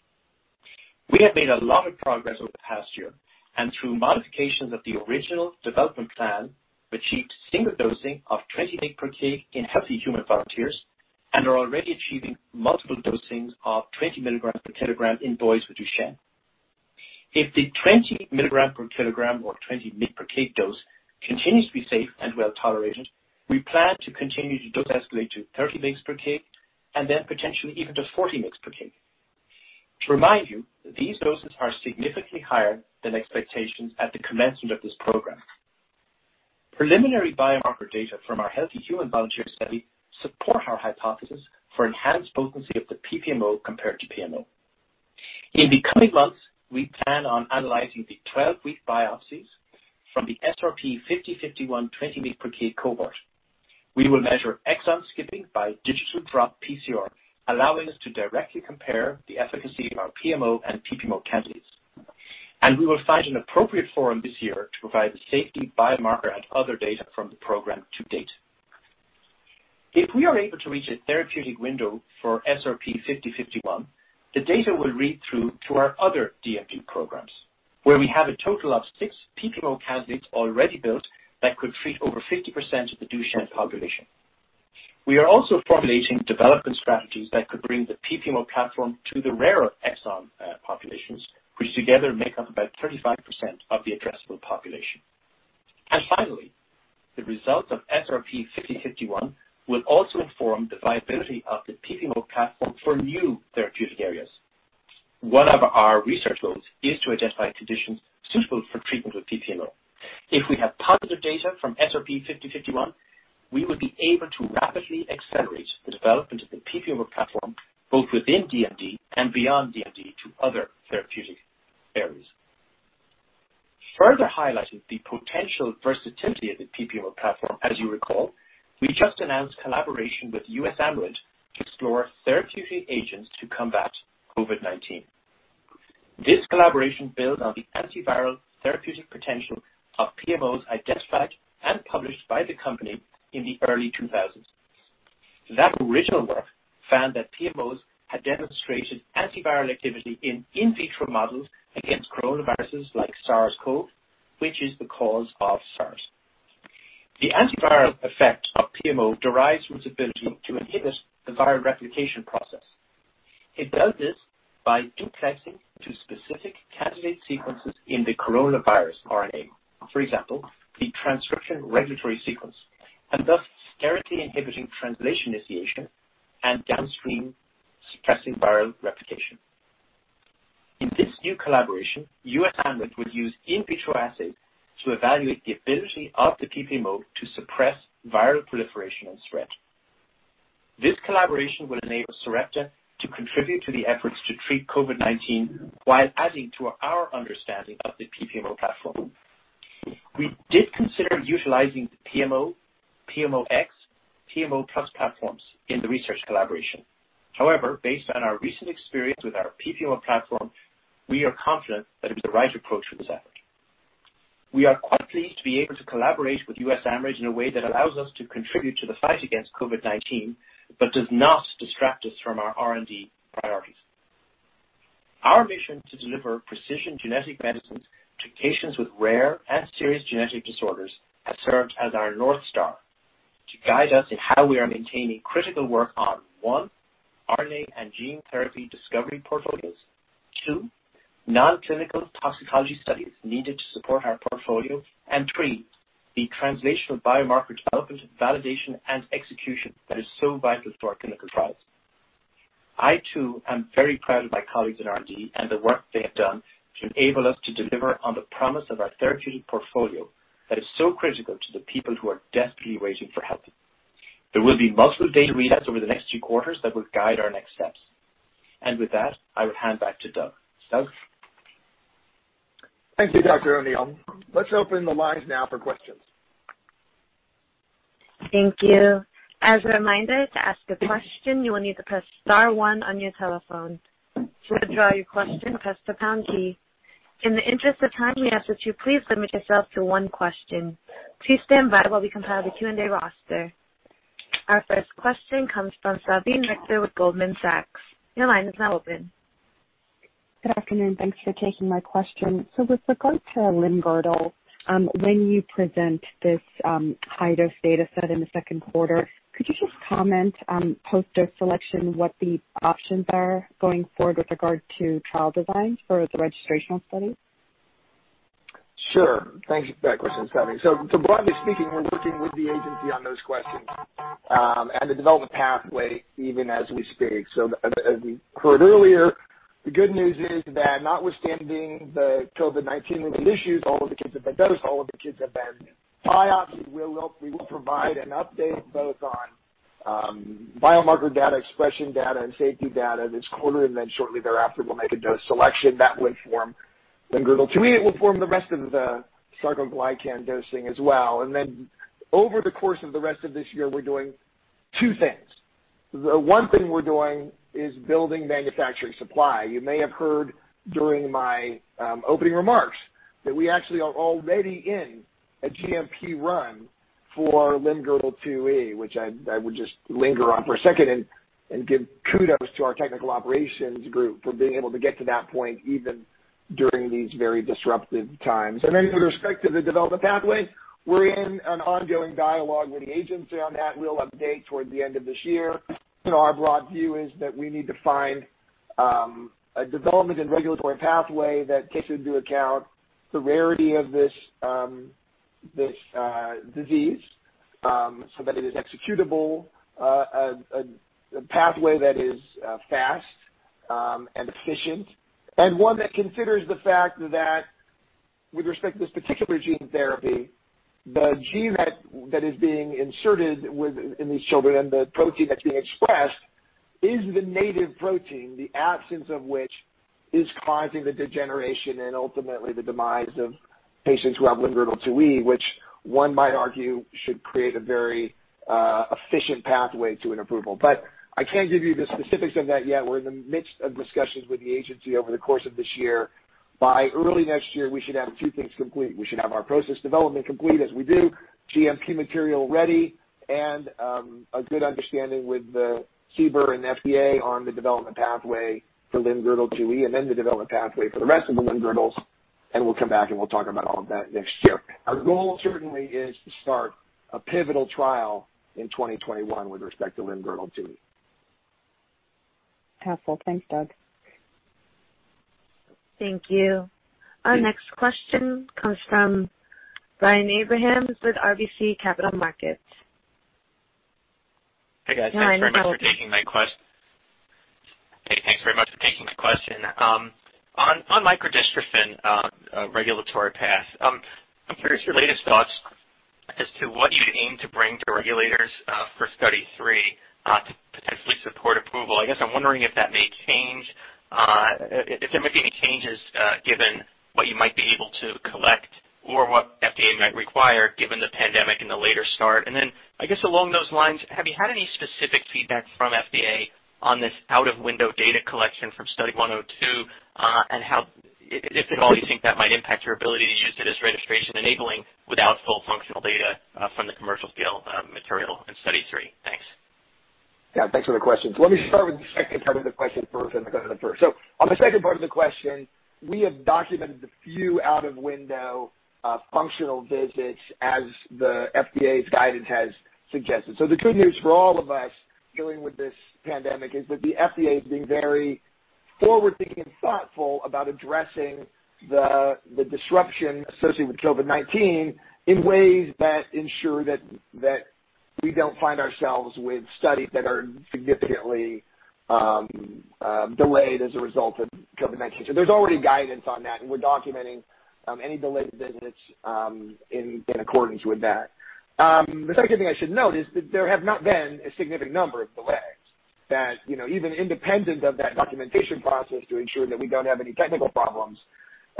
We have made a lot of progress over the past year and through modifications of the original development plan, achieved single dosing of 20 mg/kg in healthy human volunteers, and are already achieving multiple dosings of 20 mg/kg in boys with Duchenne. If the 20 milligram per kilogram or 20 mg/kg dose continues to be safe and well-tolerated, we plan to continue to dose escalate to 30 mg/kg, then potentially even to 40 mg/kg. To remind you, these doses are significantly higher than expectations at the commencement of this program. Preliminary biomarker data from our healthy human volunteer study support our hypothesis for enhanced potency of the PPMO compared to PMO. In the coming months, we plan on analyzing the 12-week biopsies from the SRP-0050/51 20 mg/kg cohort. We will measure exon skipping by digital droplet PCR, allowing us to directly compare the efficacy of our PMO and PPMO candidates. We will find an appropriate forum this year to provide the safety, biomarker, and other data from the program to date. If we are able to reach a therapeutic window for SRP-0050/51, the data will read through to our other DMD programs, where we have a total of six PPMO candidates already built that could treat over 50% of the Duchenne population. We are also formulating development strategies that could bring the PPMO platform to the rarer exon populations, which together make up about 35% of the addressable population. Finally, the results of SRP-0050/51 will also inform the viability of the PPMO platform for new therapeutic areas. One of our research goals is to identify conditions suitable for treatment with PPMO. If we have positive data from SRP-0050/51, we would be able to rapidly accelerate the development of the PPMO platform, both within DMD and beyond DMD to other therapeutic areas. Further highlighting the potential versatility of the PPMO platform, as you recall, we just announced collaboration with USAMRIID to explore therapeutic agents to combat COVID-19. This collaboration builds on the antiviral therapeutic potential of PMOs identified and published by the company in the early 2000s. That original work found that PMOs had demonstrated antiviral activity in in vitro models against coronaviruses like SARS-CoV, which is the cause of SARS. The antiviral effect of PMO derives from its ability to inhibit the viral replication process. It does this by duplexing to specific candidate sequences in the coronavirus RNA. For example, the translation regulatory sequence, and thus sterically inhibiting translation initiation and downstream suppressing viral replication. In this new collaboration, USAMRIID would use in vitro assays to evaluate the ability of the PPMO to suppress viral proliferation and spread. This collaboration will enable Sarepta to contribute to the efforts to treat COVID-19 while adding to our understanding of the PPMO platform. We did consider utilizing the PMO X, PMO Plus platforms in the research collaboration. Based on our recent experience with our PPMO platform, we are confident that it was the right approach for this effort. We are quite pleased to be able to collaborate with USAMRIID in a way that allows us to contribute to the fight against COVID-19, but does not distract us from our R&D priorities. Our mission to deliver precision genetic medicines to patients with rare and serious genetic disorders has served as our north star to guide us in how we are maintaining critical work on, one, RNA and gene therapy discovery portfolios. Two, non-clinical toxicology studies needed to support our portfolio. Three, the translational biomarker development, validation, and execution that is so vital to our clinical trials. I too am very proud of my colleagues in R&D and the work they have done to enable us to deliver on the promise of our therapeutic portfolio that is so critical to the people who are desperately waiting for help. There will be multiple data readouts over the next few quarters that will guide our next steps. With that, I would hand back to Doug. Doug? Thank you, Dr. O'Neill. Let's open the lines now for questions. Thank you. As a reminder, to ask a question, you will need to press star one on your telephone. To withdraw your question, press the pound key. In the interest of time, we ask that you please limit yourself to one question. Please stand by while we compile the Q&A roster. Our first question comes from Salveen Richter with Goldman Sachs. Your line is now open. Good afternoon. Thanks for taking my question. With regard to limb-girdle, when you present this high-dose data set in the second quarter, could you just comment on post-dose selection what the options are going forward with regard to trial designs for the registrational study? Sure. Thanks, for instigating. Broadly speaking, we're working with the agency on those questions, and the development pathway even as we speak. As we heard earlier, the good news is that notwithstanding the COVID-19 related issues, all of the kids have been dosed, all of the kids have been bioped. We will provide an update both on biomarker data, expression data, and safety data this quarter, and then shortly thereafter, we'll make a dose selection that will form limb-girdle 2E. It will form the rest of the sarcoglycan dosing as well. Over the course of the rest of this year, we're doing two things. The one thing we're doing is building manufacturing supply. You may have heard during my opening remarks that we actually are already in a GMP run for limb-girdle 2E, which I would just linger on for a second and give kudos to our technical operations group for being able to get to that point, even during these very disruptive times. With respect to the development pathway, we're in an ongoing dialogue with the agency on that. We'll update towards the end of this year. Our broad view is that we need to find a development and regulatory pathway that takes into account the rarity of this disease, so that it is executable, a pathway that is fast and efficient, and one that considers the fact that with respect to this particular gene therapy, the gene that is being inserted in these children and the protein that's being expressed is the native protein, the absence of which is causing the degeneration and ultimately the demise of patients who have limb-girdle 2E. Which one might argue should create a very efficient pathway to an approval. I can't give you the specifics of that yet. We're in the midst of discussions with the agency over the course of this year. By early next year, we should have two things complete. We should have our process development complete as we do GMP material ready, and a good understanding with CBER and FDA on the development pathway for limb-girdle 2E, and then the development pathway for the rest of the limb-girdles, and we'll come back, and we'll talk about all of that next year. Our goal certainly is to start a pivotal trial in 2021 with respect to limb-girdle 2E. Helpful. Thanks, Doug. Thank you. Our next question comes from Brian Abrahams with RBC Capital Markets. Hi, Brian. Hey, guys. Thanks very much for taking my question. On micro-dystrophin regulatory path, I'm curious your latest thoughts as to what you aim to bring to regulators, for Study three, to potentially support approval. I guess I'm wondering if that may change, if there might be any changes, given what you might be able to collect or what FDA might require given the pandemic and the later start. I guess along those lines, have you had any specific feedback from FDA on this out-of-window data collection from Study 102, and if at all you think that might impact your ability to use it as registration enabling without full functional data from the commercial scale material in Study three. Thanks. Yeah, thanks for the question. Let me start with the second part of the question first, and then go to the first. On the second part of the question, we have documented the few out-of-window functional visits as the FDA's guidance has suggested. The good news for all of us dealing with this pandemic is that the FDA is being very forward-thinking and thoughtful about addressing the disruption associated with COVID-19 in ways that ensure that we don't find ourselves with studies that are significantly delayed as a result of COVID-19. There's already guidance on that, and we're documenting any delayed visits in accordance with that. The second thing I should note is that there have not been a significant number of delays that even independent of that documentation process to ensure that we don't have any technical problems.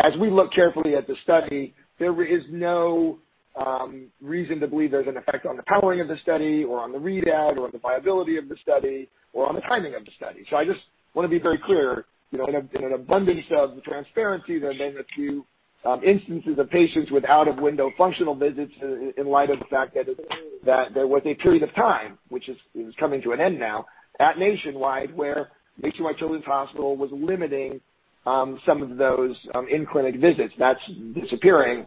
As we look carefully at the study, there is no reason to believe there's an effect on the powering of the study or on the readout or on the viability of the study or on the timing of the study. I just want to be very clear, in an abundance of transparency, there have been a few instances of patients with out-of-window functional visits in light of the fact that there was a period of time, which is coming to an end now, at Nationwide, where Nationwide Children's Hospital was limiting some of those in-clinic visits. That's disappearing,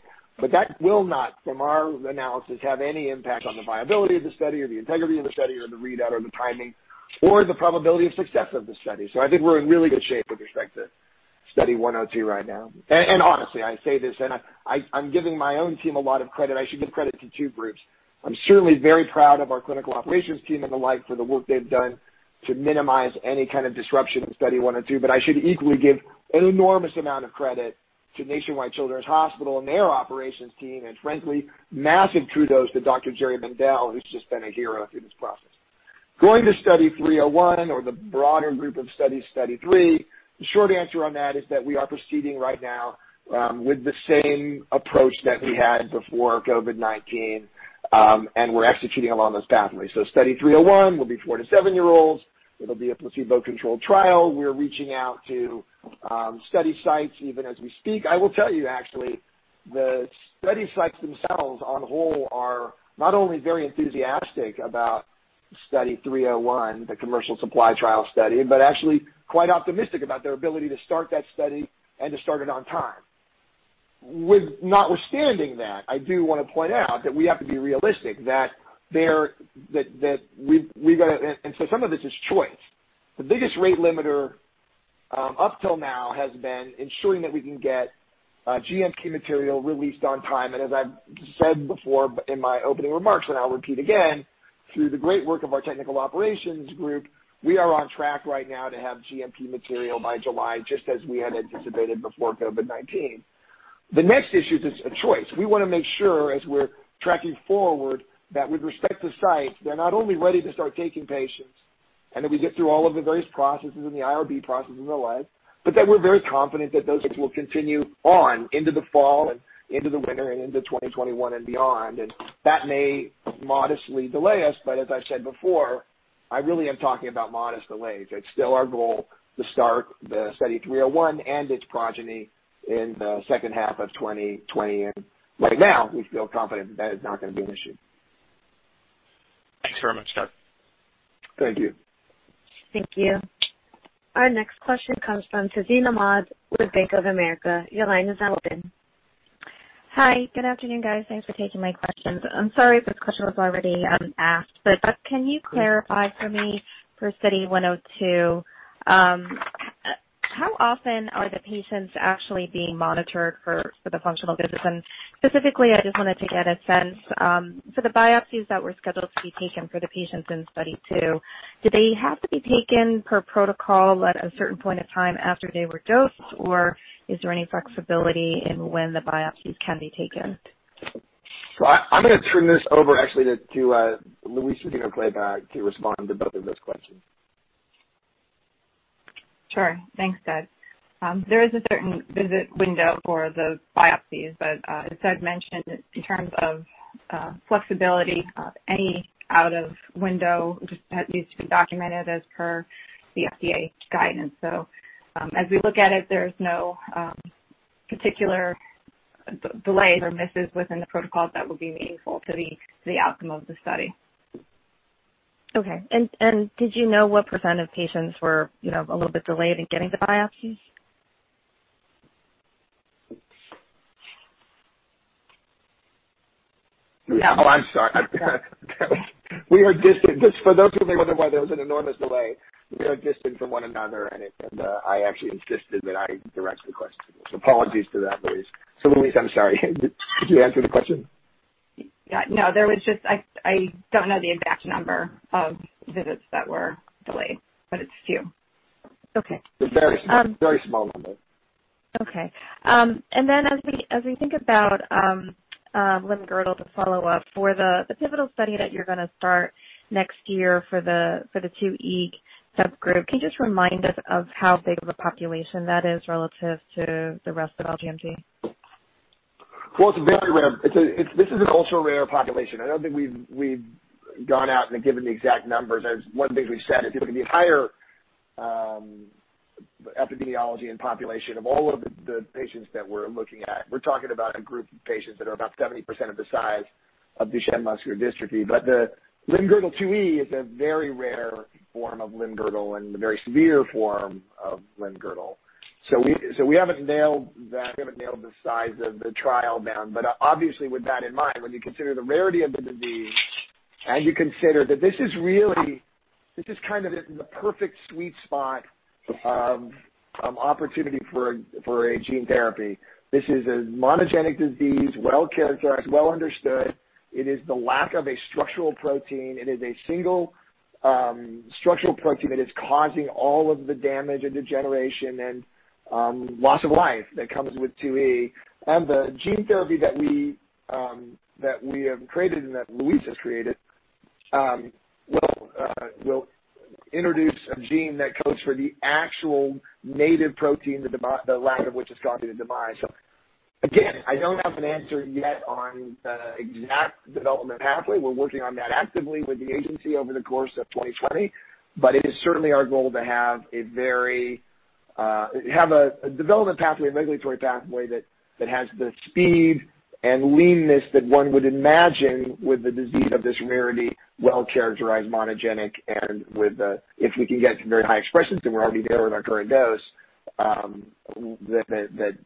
that will not, from our analysis, have any impact on the viability of the study or the integrity of the study or the readout or the timing or the probability of success of the study. I think we're in really good shape with respect to Study 102 right now. Honestly, I say this, and I'm giving my own team a lot of credit. I should give credit to two groups. I'm certainly very proud of our clinical operations team and the like for the work they've done to minimize any kind of disruption in Study 102. I should equally give an enormous amount of credit to Nationwide Children's Hospital and their operations team. Frankly, massive kudos to Dr. Jerry Mendell, who's just been a hero through this process. Going to Study 301 or the broader group of studies, Study 3, the short answer on that is that we are proceeding right now with the same approach that we had before COVID-19, we're executing along those pathways. Study 301 will be four to seven-year-olds. It'll be a placebo-controlled trial. We're reaching out to study sites even as we speak. I will tell you, actually, the study sites themselves on whole are not only very enthusiastic about Study 301, the commercial supply trial study, but actually quite optimistic about their ability to start that study and to start it on time. Notwithstanding that, I do want to point out that we have to be realistic, and so some of this is choice. The biggest rate limiter up till now has been ensuring that we can get GMP material released on time. As I've said before in my opening remarks, and I'll repeat again, through the great work of our technical operations group, we are on track right now to have GMP material by July, just as we had anticipated before COVID-19. The next issue is a choice. We want to make sure as we're tracking forward, that with respect to sites, they're not only ready to start taking patients, and that we get through all of the various processes and the IRB process and the like, but that we're very confident that those will continue on into the fall and into the winter and into 2021 and beyond. That may modestly delay us, but as I've said before, I really am talking about modest delays. It's still our goal to start the Study 301 and its progeny in the second half of 2020. Right now, we feel confident that that is not going to be an issue. Thanks very much, Doug. Thank you. Thank you. Our next question comes from Tazeen Ahmad with Bank of America. Your line is now open. Hi. Good afternoon, guys. Thanks for taking my questions. I'm sorry if this question was already asked, but Doug, can you clarify for me for Study 102, how often are the patients actually being monitored for the functional visits? Specifically, I just wanted to get a sense for the biopsies that were scheduled to be taken for the patients in Study 2, do they have to be taken per protocol at a certain point of time after they were dosed, or is there any flexibility in when the biopsies can be taken? I'm going to turn this over actually to Louise Rodino-Klapac to respond to both of those questions. Sure. Thanks, Doug. There is a certain visit window for the biopsies, but as Doug mentioned, in terms of flexibility, any out of window just needs to be documented as per the FDA guidance. As we look at it, there's no particular delays or misses within the protocol that would be meaningful to the outcome of the study. Okay. Did you know what percent of patients were a little bit delayed in getting the biopsies? No, I'm sorry. For those who may wonder why there was an enormous delay, we are distant from one another, and I actually insisted that I direct the questions. Apologies for that, Louise. Louise, I'm sorry. Did you answer the question? No. I don't know the exact number of visits that were delayed, but it's few. Okay. A very small number. Okay. As we think about limb-girdle to follow up, for the pivotal study that you're going to start next year for the 2E subgroup, can you just remind us of how big of a population that is relative to the rest of LGMD? It's very rare. This is an ultra-rare population. I don't think we've gone out and given the exact numbers. As one of the things we've said is if you look at the entire epidemiology and population of all of the patients that we're looking at, we're talking about a group of patients that are about 70% of the size of Duchenne muscular dystrophy. The limb-girdle 2E is a very rare form of limb-girdle and a very severe form of limb-girdle. We haven't nailed the size of the trial down. Obviously with that in mind, when you consider the rarity of the disease and you consider that this is kind of in the perfect sweet spot of opportunity for a gene therapy. This is a monogenic disease, well-characterized, well understood. It is the lack of a structural protein. It is a single structural protein that is causing all of the damage and degeneration and loss of life that comes with LGMD2E. The gene therapy that we have created and that Louise's created will introduce a gene that codes for the actual native protein, the lack of which is causing the demise. Again, I don't have an answer yet on the exact development pathway. We're working on that actively with the agency over the course of 2020. It is certainly our goal to have a development pathway, a regulatory pathway that has the speed and leanness that one would imagine with a disease of this rarity, well-characterized, monogenic, and if we can get to very high expressions, then we're already there with our current dose, that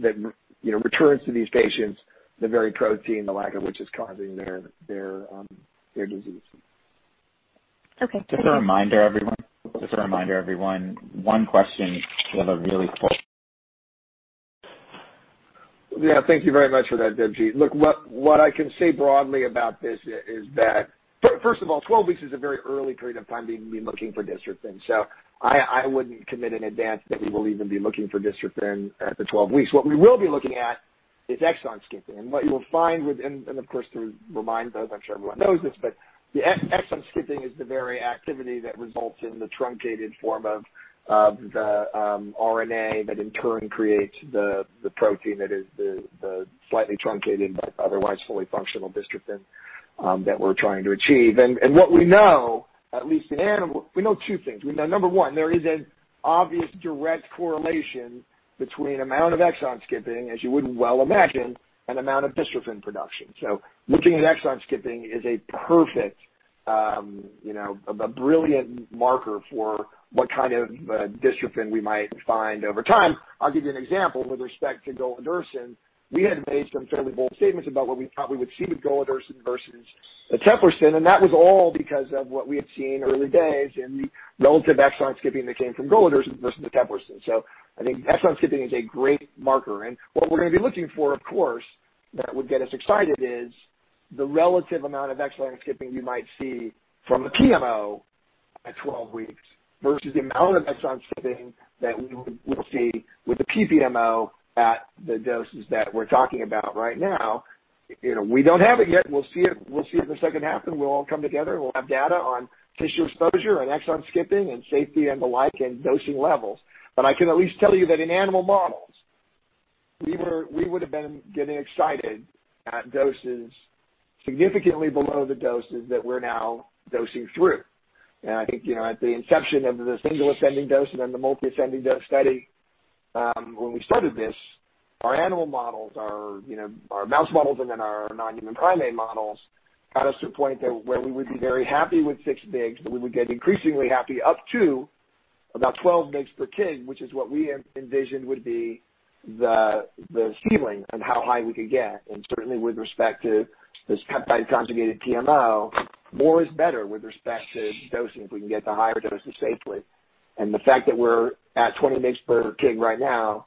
returns to these patients the very protein, the lack of which is causing their disease. Okay. Just a reminder, everyone, one question. Yeah. Thank you very much for that, Debjit. Look, what I can say broadly about this is that, first of all, 12 weeks is a very early period of time to even be looking for dystrophin. I wouldn't commit in advance that we will even be looking for dystrophin at the 12 weeks. What we will be looking at is exon skipping. What you will find within, and of course, to remind those, I'm sure everyone knows this, but the exon skipping is the very activity that results in the truncated form of the RNA that in turn creates the protein that is the slightly truncated but otherwise fully functional dystrophin that we're trying to achieve. What we know, at least in animal, we know two things. We know number one, there is an obvious direct correlation between amount of exon skipping, as you would well imagine. Amount of dystrophin production. Looking at exon skipping is a perfect, a brilliant marker for what kind of dystrophin we might find over time. I'll give you an example with respect to golodirsen. We had made some fairly bold statements about what we thought we would see with golodirsen versus eteplirsen. That was all because of what we had seen early days in the relative exon skipping that came from golodirsen versus eteplirsen. I think exon skipping is a great marker. What we're going to be looking for, of course, that would get us excited is the relative amount of exon skipping you might see from a PMO at 12 weeks versus the amount of exon skipping that we will see with the PPMO at the doses that we're talking about right now. We don't have it yet. We'll see it in the second half, and we'll all come together, and we'll have data on tissue exposure and exon skipping and safety and the like and dosing levels. I can at least tell you that in animal models, we would've been getting excited at doses significantly below the doses that we're now dosing through. I think, at the inception of the single ascending dose and then the multi-ascending dose study, when we started this, our animal models, our mouse models, and then our non-human primate models, got us to a point where we would be very happy with 6 mg, but we would get increasingly happy up to about 12 mg/kg, which is what we envisioned would be the ceiling on how high we could get. Certainly with respect to this peptide conjugated PMO, more is better with respect to dosing if we can get to higher doses safely. The fact that we're at 20 mg/kg right now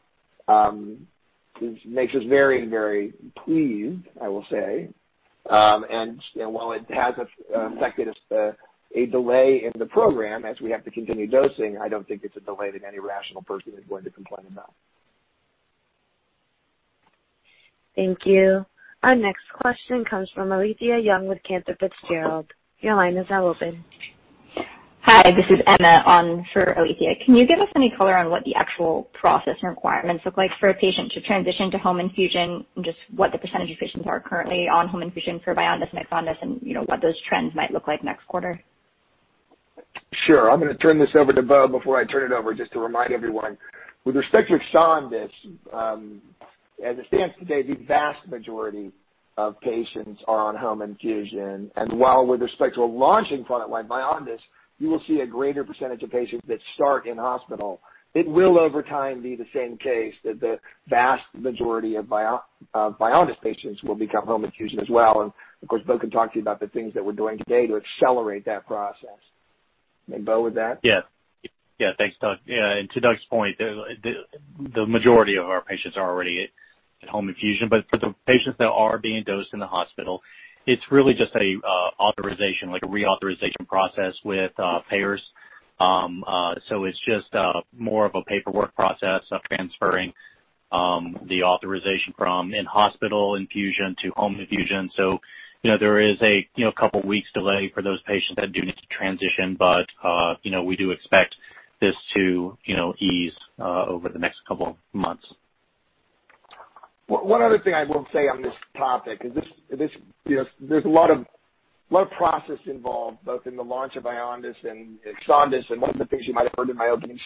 makes us very, very pleased, I will say. While it has affected a delay in the program as we have to continue dosing, I don't think it's a delay that any rational person is going to complain about. Thank you. Our next question comes from Alethia Young with Cantor Fitzgerald. Your line is now open. Hi, this is Emma on for Alethia. Can you give us any color on what the actual process and requirements look like for a patient to transition to home infusion, and just what the percentage of patients are currently on home infusion for VYONDYS 53 and EXONDYS 51, and what those trends might look like next quarter? I'm going to turn this over to Bo before I turn it over just to remind everyone. With respect to EXONDYS, as it stands today, the vast majority of patients are on home infusion. While with respect to a launching product like VYONDYS, you will see a greater percentage of patients that start in-hospital. It will, over time, be the same case, that the vast majority of VYONDYS patients will become home infusion as well. Of course, Bo can talk to you about the things that we're doing today to accelerate that process. Bo with that? Yeah. Thanks, Doug. To Doug's point, the majority of our patients are already at home infusion. For the patients that are being dosed in the hospital, it's really just an authorization, like a reauthorization process with payers. It's just more of a paperwork process of transferring the authorization from in-hospital infusion to home infusion. There is a couple of weeks delay for those patients that do need to transition. We do expect this to ease over the next couple of months. One other thing I will say on this topic is there's a lot of process involved, both in the launch of VYONDYS 53 and EXONDYS 51. One of the things you might have heard in my opening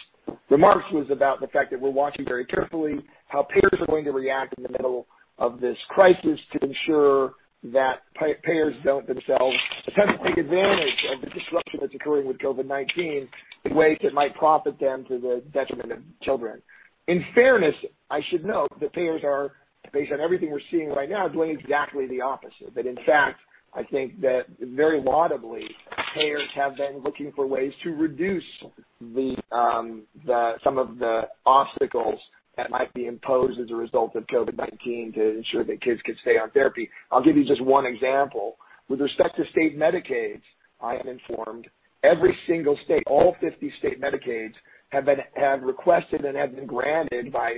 remarks was about the fact that we're watching very carefully how payers are going to react in the middle of this crisis to ensure that payers don't themselves attempt to take advantage of the disruption that's occurring with COVID-19 in ways that might profit them to the detriment of children. In fairness, I should note that payers are, based on everything we're seeing right now, doing exactly the opposite. In fact, I think that very laudably, payers have been looking for ways to reduce some of the obstacles that might be imposed as a result of COVID-19 to ensure that kids could stay on therapy. I'll give you just one example. With respect to state Medicaids, I am informed every single state, all 50 state Medicaids, have requested and have been granted by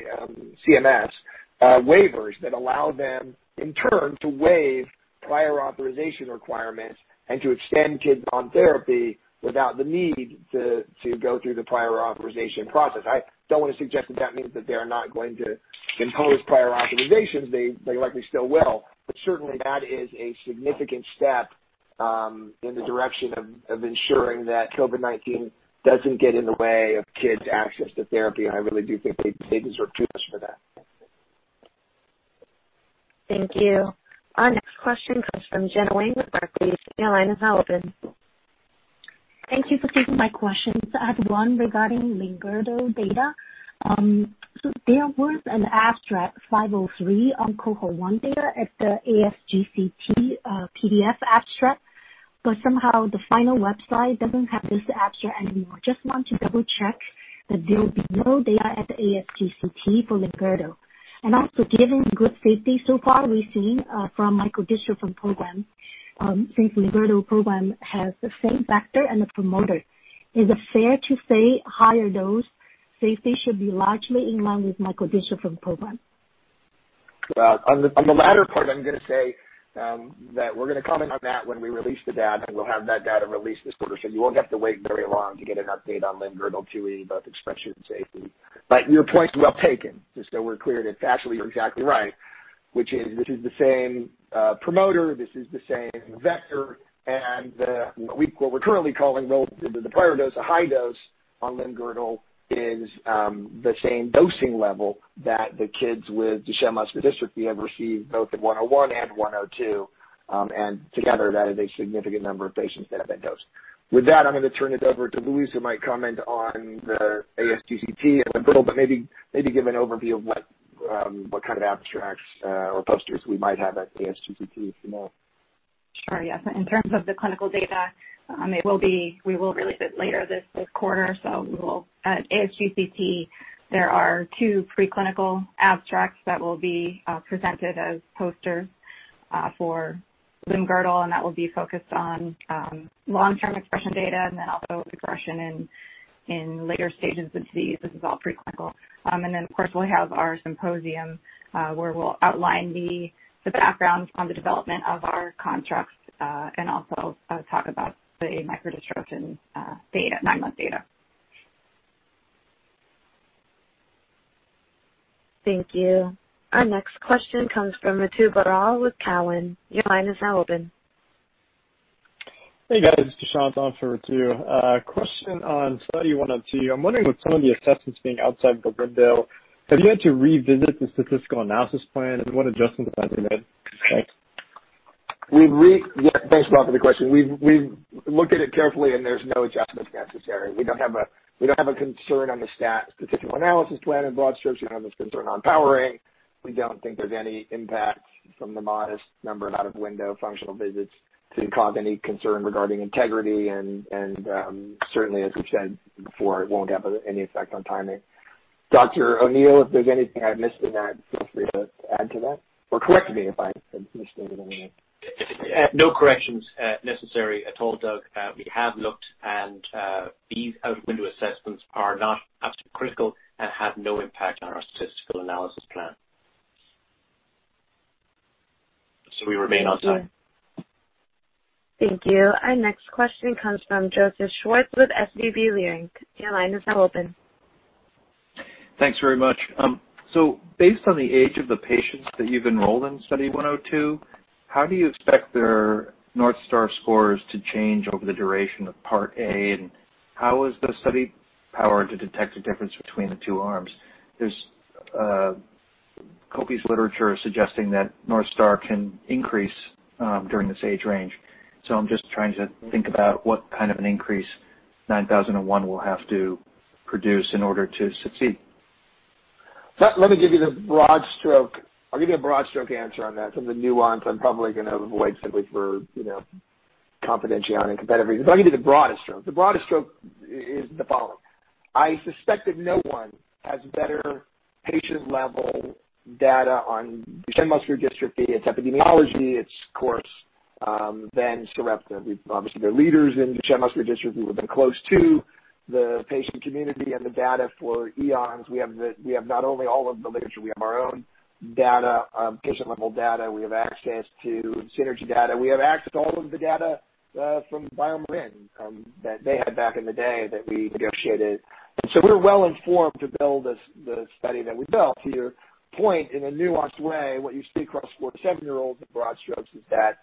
CMS waivers that allow them, in turn, to waive prior authorization requirements and to extend kids on therapy without the need to go through the prior authorization process. I don't want to suggest that that means that they are not going to impose prior authorizations. They likely still will. Certainly that is a significant step in the direction of ensuring that COVID-19 doesn't get in the way of kids' access to therapy. I really do think they deserve kudos for that. Thank you. Our next question comes from Gena Wang with Barclays. Your line is now open. Thank you for taking my questions. I have one regarding limb-girdle data. There was an abstract, 503, on cohort 1 data at the ASGCT PDF abstract, but somehow the final website doesn't have this abstract anymore. I just want to double-check that there'll be no data at the ASGCT for limb-girdle. Given good safety so far we've seen from micro-dystrophin program, since limb-girdle program has the same vector and the promoter, is it fair to say higher dose safety should be largely in line with micro-dystrophin program? On the latter part, I'm going to say that we're going to comment on that when we release the data. We'll have that data released this quarter, so you won't have to wait very long to get an update on limb-girdle 2E, both expression and safety. Your point's well taken. Just so we're clear, that factually you're exactly right. Which is the same promoter, this is the same vector, and what we're currently calling the prior dose, a high dose on limb-girdle is the same dosing level that the kids with Duchenne muscular dystrophy have received both at 101 and 102. Together, that is a significant number of patients that have been dosed. With that, I'm going to turn it over to Louise, who might comment on the ASGCT in a little, but maybe give an overview of what kind of abstracts or posters we might have at the ASGCT tomorrow. Sure. Yeah. In terms of the clinical data, we will release it later this quarter. We will at ASGCT, there are two pre-clinical abstracts that will be presented as poster for limb-girdle, and that will be focused on long-term expression data and then also progression in later stages of the disease. This is all pre-clinical. Of course, we'll have our symposium, where we'll outline the background on the development of our constructs, and also talk about the micro-dystrophin data, nine-month data. Thank you. Our next question comes from Ritu Baral with Cowen. Your line is now open. Hey, guys. It's Prashant on for Ritu. A question on Study 102. I'm wondering with some of the assessments being outside the window, have you had to revisit the statistical analysis plan and what adjustments have you made? Thanks. Thanks for the question. We've looked at it carefully and there's no adjustments necessary. We don't have a concern on the statistical analysis plan in broad strokes. We don't have a concern on powering. We don't think there's any impact from the modest number of out-of-window functional visits to cause any concern regarding integrity and, certainly, as we've said before, it won't have any effect on timing. Dr. O'Neill, if there's anything I've missed in that, feel free to add to that or correct me if I've missed anything there. No corrections necessary at all, Doug. We have looked, and these out-of-window assessments are not absolutely critical and have no impact on our statistical analysis plan. We remain on time. Thank you. Our next question comes from Joseph Schwartz with SVB Leerink. Your line is now open. Thanks very much. Based on the age of the patients that you've enrolled in Study 102, how do you expect their North Star scores to change over the duration of Part A? How is the study powered to detect a difference between the two arms? There's copious literature suggesting that North Star can increase during this age range, so I'm just trying to think about what kind of an increase 9001 will have to produce in order to succeed. Let me give you the broad stroke. I'll give you a broad stroke answer on that from the nuance I'm probably going to avoid simply for confidentiality and competitive reasons, but I'll give you the broadest stroke. The broadest stroke is the following. I suspect that no one has better patient-level data on Duchenne muscular dystrophy, its epidemiology, its course, than Sarepta. Obviously, they're leaders in Duchenne muscular dystrophy. We've been close to the patient community and the data for eons. We have not only all of the literature, we have our own data, patient-level data. We have access to CINRG data. We have access to all of the data from BioMarin that they had back in the day that we negotiated. We're well-informed to build the study that we built. To your point, in a nuanced way, what you see across four to seven-year-olds in broad strokes is that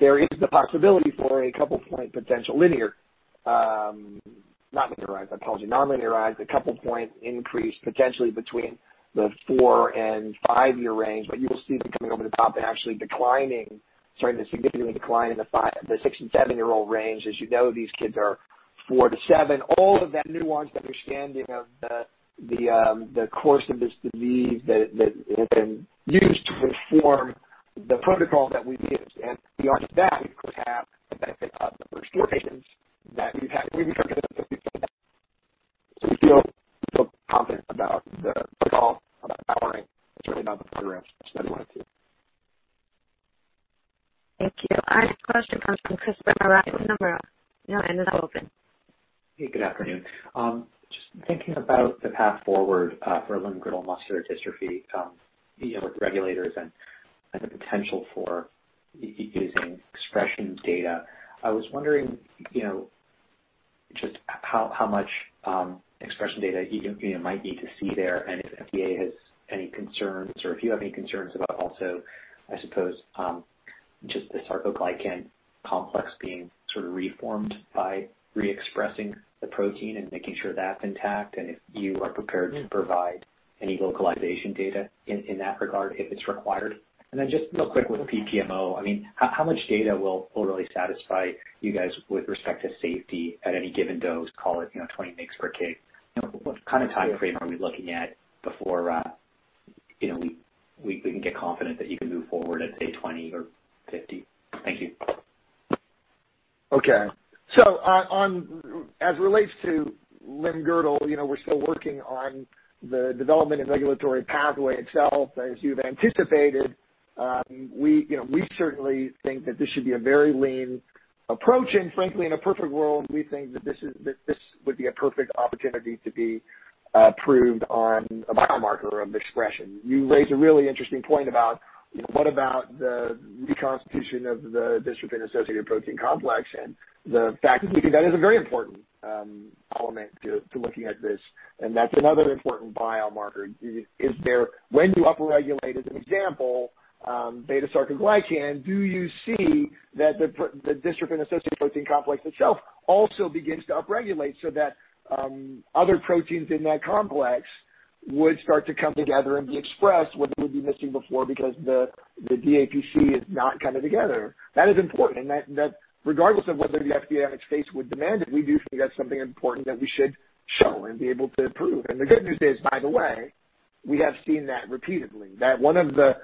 there is the possibility for a couple point potential linear. Not linearized, I apologize. Non-linearized, a couple point increase, potentially between the four and five-year range, you will see them coming over the top and actually declining, starting to significantly decline in the six and seven-year-old range. As you know, these kids are four to seven. All of that nuanced understanding of the course of this disease that has been used to inform the protocol that we've used. Beyond that, we of course have the benefit of the first four patients that we've had. We've been tracking them since we feel confident about the protocol, about powering, and certainly about the progress of Study 102. Thank you. Our next question comes from Chris Belan with Nomura. Your line is now open. Hey, good afternoon. Just thinking about the path forward for limb-girdle muscular dystrophy, dealing with regulators and the potential for using expression data. I was wondering just how much expression data you might need to see there, and if FDA has any concerns or if you have any concerns about also, I suppose, just the sarcoglycan complex being sort of reformed by re-expressing the protein and making sure that's intact, and if you are prepared to provide any localization data in that regard, if it's required. Just real quick with PPMO, how much data will really satisfy you guys with respect to safety at any given dose, call it 20 mg/kg? What kind of time frame are we looking at before we can get confident that you can move forward at, say, 20 or 50? Thank you. Okay. As it relates to limb-girdle, we're still working on the development and regulatory pathway itself. As you've anticipated, we certainly think that this should be a very lean approach, and frankly, in a perfect world, we think that this would be a perfect opportunity to be approved on a biomarker of expression. You raise a really interesting point about what about the reconstitution of the dystrophin-associated protein complex and the fact is we think that is a very important element to looking at this, and that's another important biomarker. When you up-regulate, as an example, beta-sarcoglycan, do you see that the dystrophin-associated protein complex itself also begins to up-regulate so that other proteins in that complex would start to come together and be expressed, what we've been missing before because the DAPC is not coming together. That is important, and that regardless of whether the FDA and its states would demand it, we do think that is something important that we should show and be able to prove. The good news is, by the way, we have seen that repeatedly, that one of the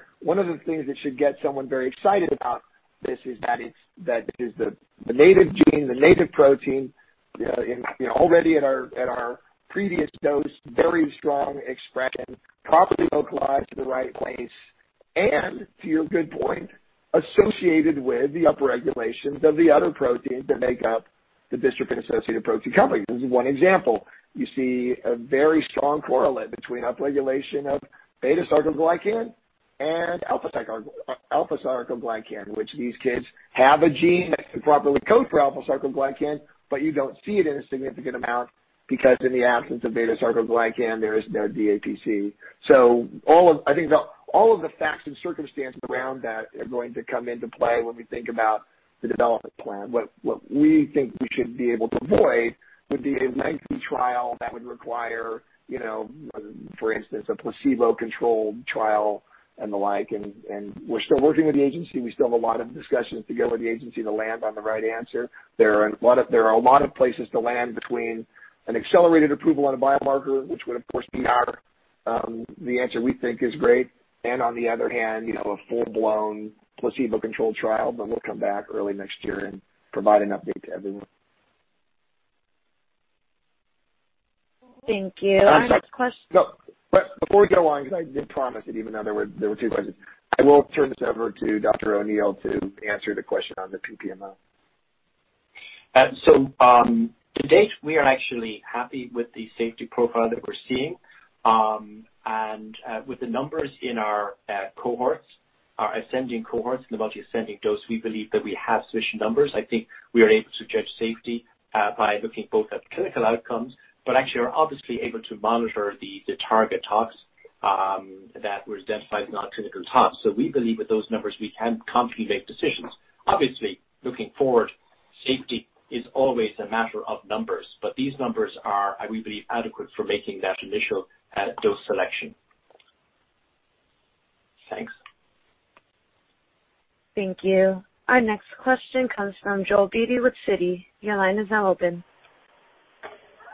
things that should get someone very excited about this is that it is the native gene, the native protein, already at our previous dose, very strong expression, properly localized to the right place, and to your good point, associated with the upper regulations of the other proteins that make up the dystrophin-associated protein complex. This is one example. You see a very strong correlate between upregulation of beta-sarcoglycan and alpha-sarcoglycan, which these kids have a gene that can properly code for alpha-sarcoglycan, but you don't see it in a significant amount because in the absence of beta-sarcoglycan, there is no DAPC. I think all of the facts and circumstances around that are going to come into play when we think about the development plan. What we think we should be able to avoid would be a lengthy trial that would require, for instance, a placebo-controlled trial and the like. We're still working with the agency. We still have a lot of discussions to go with the agency to land on the right answer. There are a lot of places to land between an accelerated approval on a biomarker, which would of course be the answer we think is great, and on the other hand, a full-blown placebo-controlled trial. We'll come back early next year and provide an update to everyone. Thank you. Our next question. I'm sorry. No. Before we go on, because I did promise that even though there were two questions, I will turn this over to Dr. O'Neill to answer the question on the PPMO. To date, we are actually happy with the safety profile that we're seeing. With the numbers in our cohorts, our ascending cohorts in the multi-ascending dose, we believe that we have sufficient numbers. I think we are able to judge safety by looking both at clinical outcomes, but actually are obviously able to monitor the target tox that was identified as non-clinical tox. We believe with those numbers, we can confidently make decisions. Obviously, looking forward, safety is always a matter of numbers, but these numbers are, we believe, adequate for making that initial dose selection. Thanks. Thank you. Our next question comes from Joel Beatty with Citi. Your line is now open.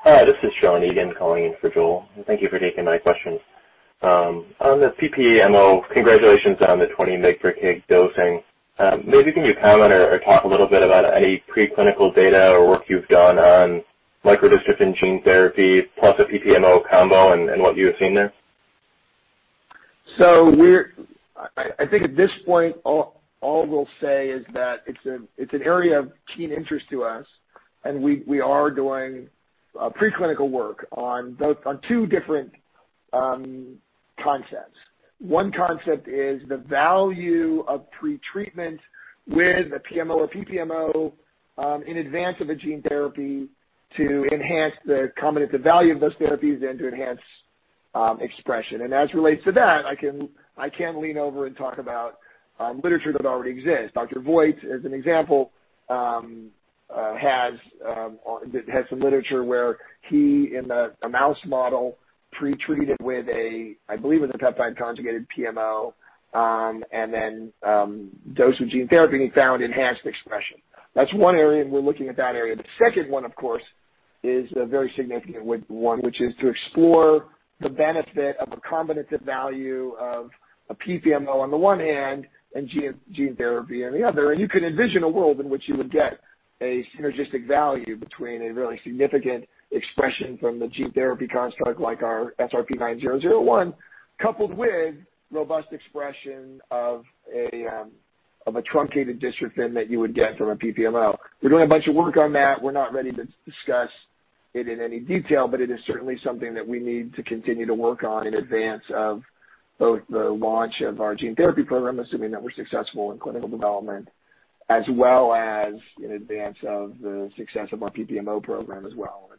Hi, this is Shawn Egan calling in for Joel. Thank you for taking my question. On the PPMO, congratulations on the 20 mg/kg dosing. Maybe can you comment or talk a little bit about any preclinical data or work you've done on micro-dystrophin gene therapy plus a PPMO combo and what you have seen there? I think at this point, all we'll say is that it's an area of keen interest to us, and we are doing preclinical work on two different concepts. One concept is the value of pretreatment with a PMO or PPMO in advance of a gene therapy to enhance the combinative value of those therapies and to enhance expression. As relates to that, I can lean over and talk about literature that already exists. Dr. Voigt, as an example, has some literature where he, in the mouse model, pretreated with, I believe it was a peptide conjugated PMO, and then dosed with gene therapy and he found enhanced expression. That's one area, and we're looking at that area. The second one, of course, is a very significant one, which is to explore the benefit of a combinative value of a PPMO on the one hand and gene therapy on the other. You could envision a world in which you would get a synergistic value between a really significant expression from the gene therapy construct like our SRP-9001, coupled with robust expression of a truncated dystrophin that you would get from a PPMO. We're doing a bunch of work on that. We're not ready to discuss it in any detail, but it is certainly something that we need to continue to work on in advance of both the launch of our gene therapy program, assuming that we're successful in clinical development, as well as in advance of the success of our PPMO program as well.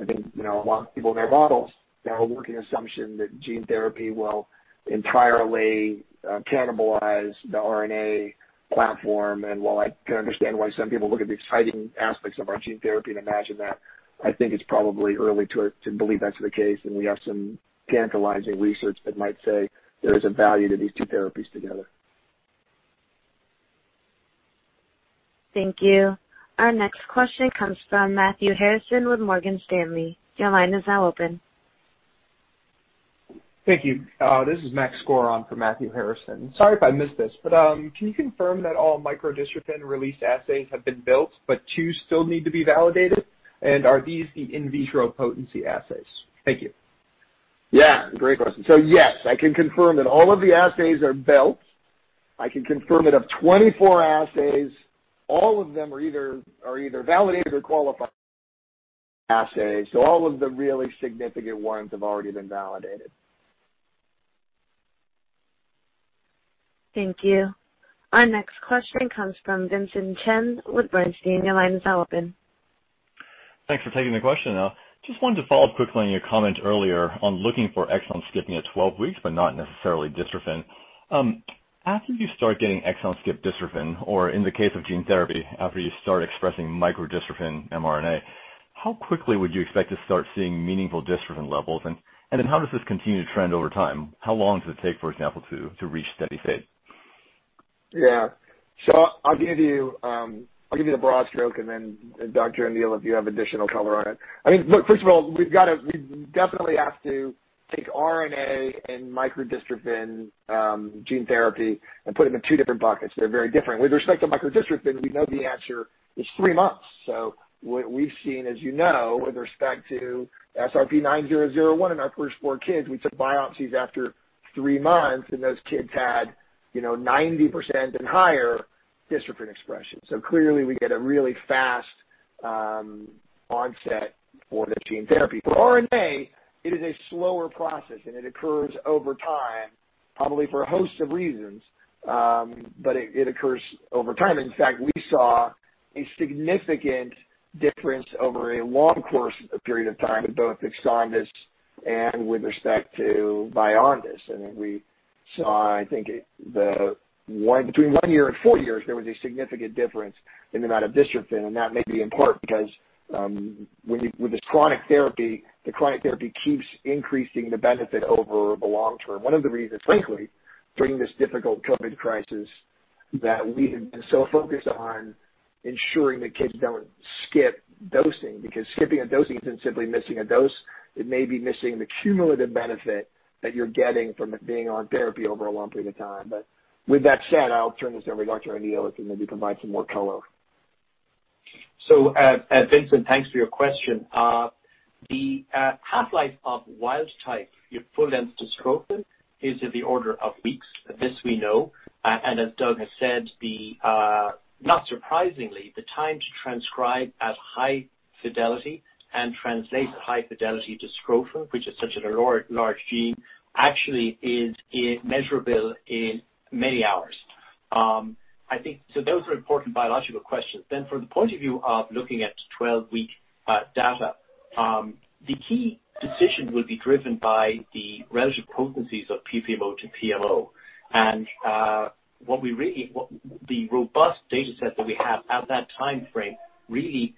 I think a lot of people in their models, their working assumption that gene therapy will entirely cannibalize the RNA platform, and while I can understand why some people look at the exciting aspects of our gene therapy and imagine that, I think it's probably early to believe that's the case, and we have some tantalizing research that might say there is a value to these two therapies together. Thank you. Our next question comes from Matthew Harrison with Morgan Stanley. Your line is now open. Thank you. This is Max Coran for Matthew Harrison. Sorry if I missed this, but can you confirm that all micro-dystrophin release assays have been built, but two still need to be validated? Are these the in vitro potency assays? Thank you. Yeah. Great question. Yes, I can confirm that all of the assays are built. I can confirm that of 24 assays, all of them are either validated or qualified assays. All of the really significant ones have already been validated. Thank you. Our next question comes from Vincent Chen with Bernstein. Your line is now open. Thanks for taking the question. Just wanted to follow up quickly on your comment earlier on looking for exon skipping at 12 weeks, but not necessarily dystrophin. After you start getting exon-skip dystrophin, or in the case of gene therapy, after you start expressing micro-dystrophin mRNA, how quickly would you expect to start seeing meaningful dystrophin levels? How does this continue to trend over time? How long does it take, for example, to reach steady state? Yeah. I'll give you the broad stroke, and then, Dr. O'Neill, if you have additional color on it. Look, first of all, we definitely have to take RNA and micro-dystrophin gene therapy and put them in two different buckets. They're very different. With respect to micro-dystrophin, we know the answer is three months. What we've seen, as you know, with respect to SRP-9001 in our first four kids, we took biopsies after three months, and those kids had 90% and higher dystrophin expression. Clearly, we get a really fast onset for the gene therapy. For RNA, it is a slower process, and it occurs over time, probably for a host of reasons, but it occurs over time. In fact, we saw a significant difference over a long course period of time with both EXONDYS and with respect to VYONDYS. Then we saw, I think, between one year and four years, there was a significant difference in the amount of dystrophin, and that may be in part because with this chronic therapy, the chronic therapy keeps increasing the benefit over the long term. One of the reasons, frankly, during this difficult COVID-19 crisis, that we have been so focused on ensuring that kids don't skip dosing, because skipping a dosing isn't simply missing a dose, it may be missing the cumulative benefit that you're getting from it being on therapy over a long period of time. With that said, I'll turn this over to Dr. O'Neill, who can maybe provide some more color. Vincent, thanks for your question. The half-life of wild type, your full-length dystrophin, is in the order of weeks. This we know. As Doug has said, not surprisingly, the time to transcribe at high fidelity and translate at high fidelity dystrophin, which is such a large gene, actually is measurable in many hours. Those are important biological questions. From the point of view of looking at 12-week data, the key decision will be driven by the relative potencies of PPMO to PMO. The robust data set that we have at that timeframe really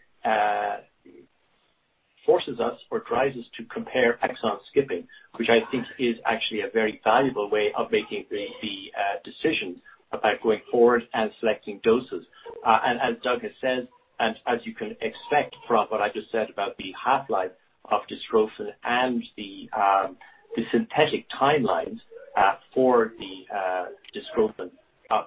forces us or drives us to compare exon skipping, which I think is actually a very valuable way of making the decisions about going forward and selecting doses. As Doug has said, as you can expect from what I just said about the half-life of dystrophin and the synthetic timelines for the dystrophin,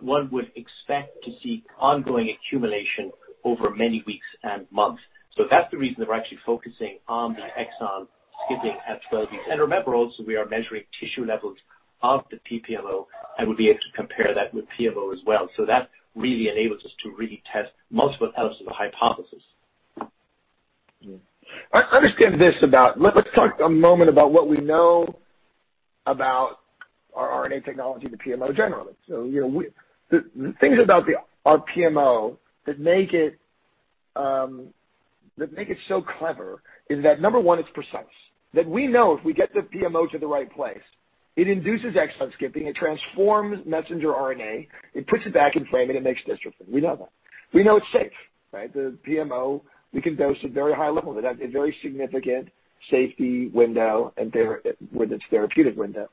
one would expect to see ongoing accumulation over many weeks and months. That's the reason that we're actually focusing on the exon skipping at 12 weeks. Remember also, we are measuring tissue levels of the PPMO and would be able to compare that with PMO as well. That really enables us to really test multiple elements of the hypothesis. Let's talk a moment about what we know about our RNA technology, the PMO, generally. The things about our PMO that make it so clever is that, number one, it's precise. That we know if we get the PMO to the right place, it induces exon skipping, it transforms messenger RNA, it puts it back in frame, and it makes dystrophin. We know that. We know it's safe, right? The PMO, we can dose at very high levels. It has a very significant safety window with its therapeutic window.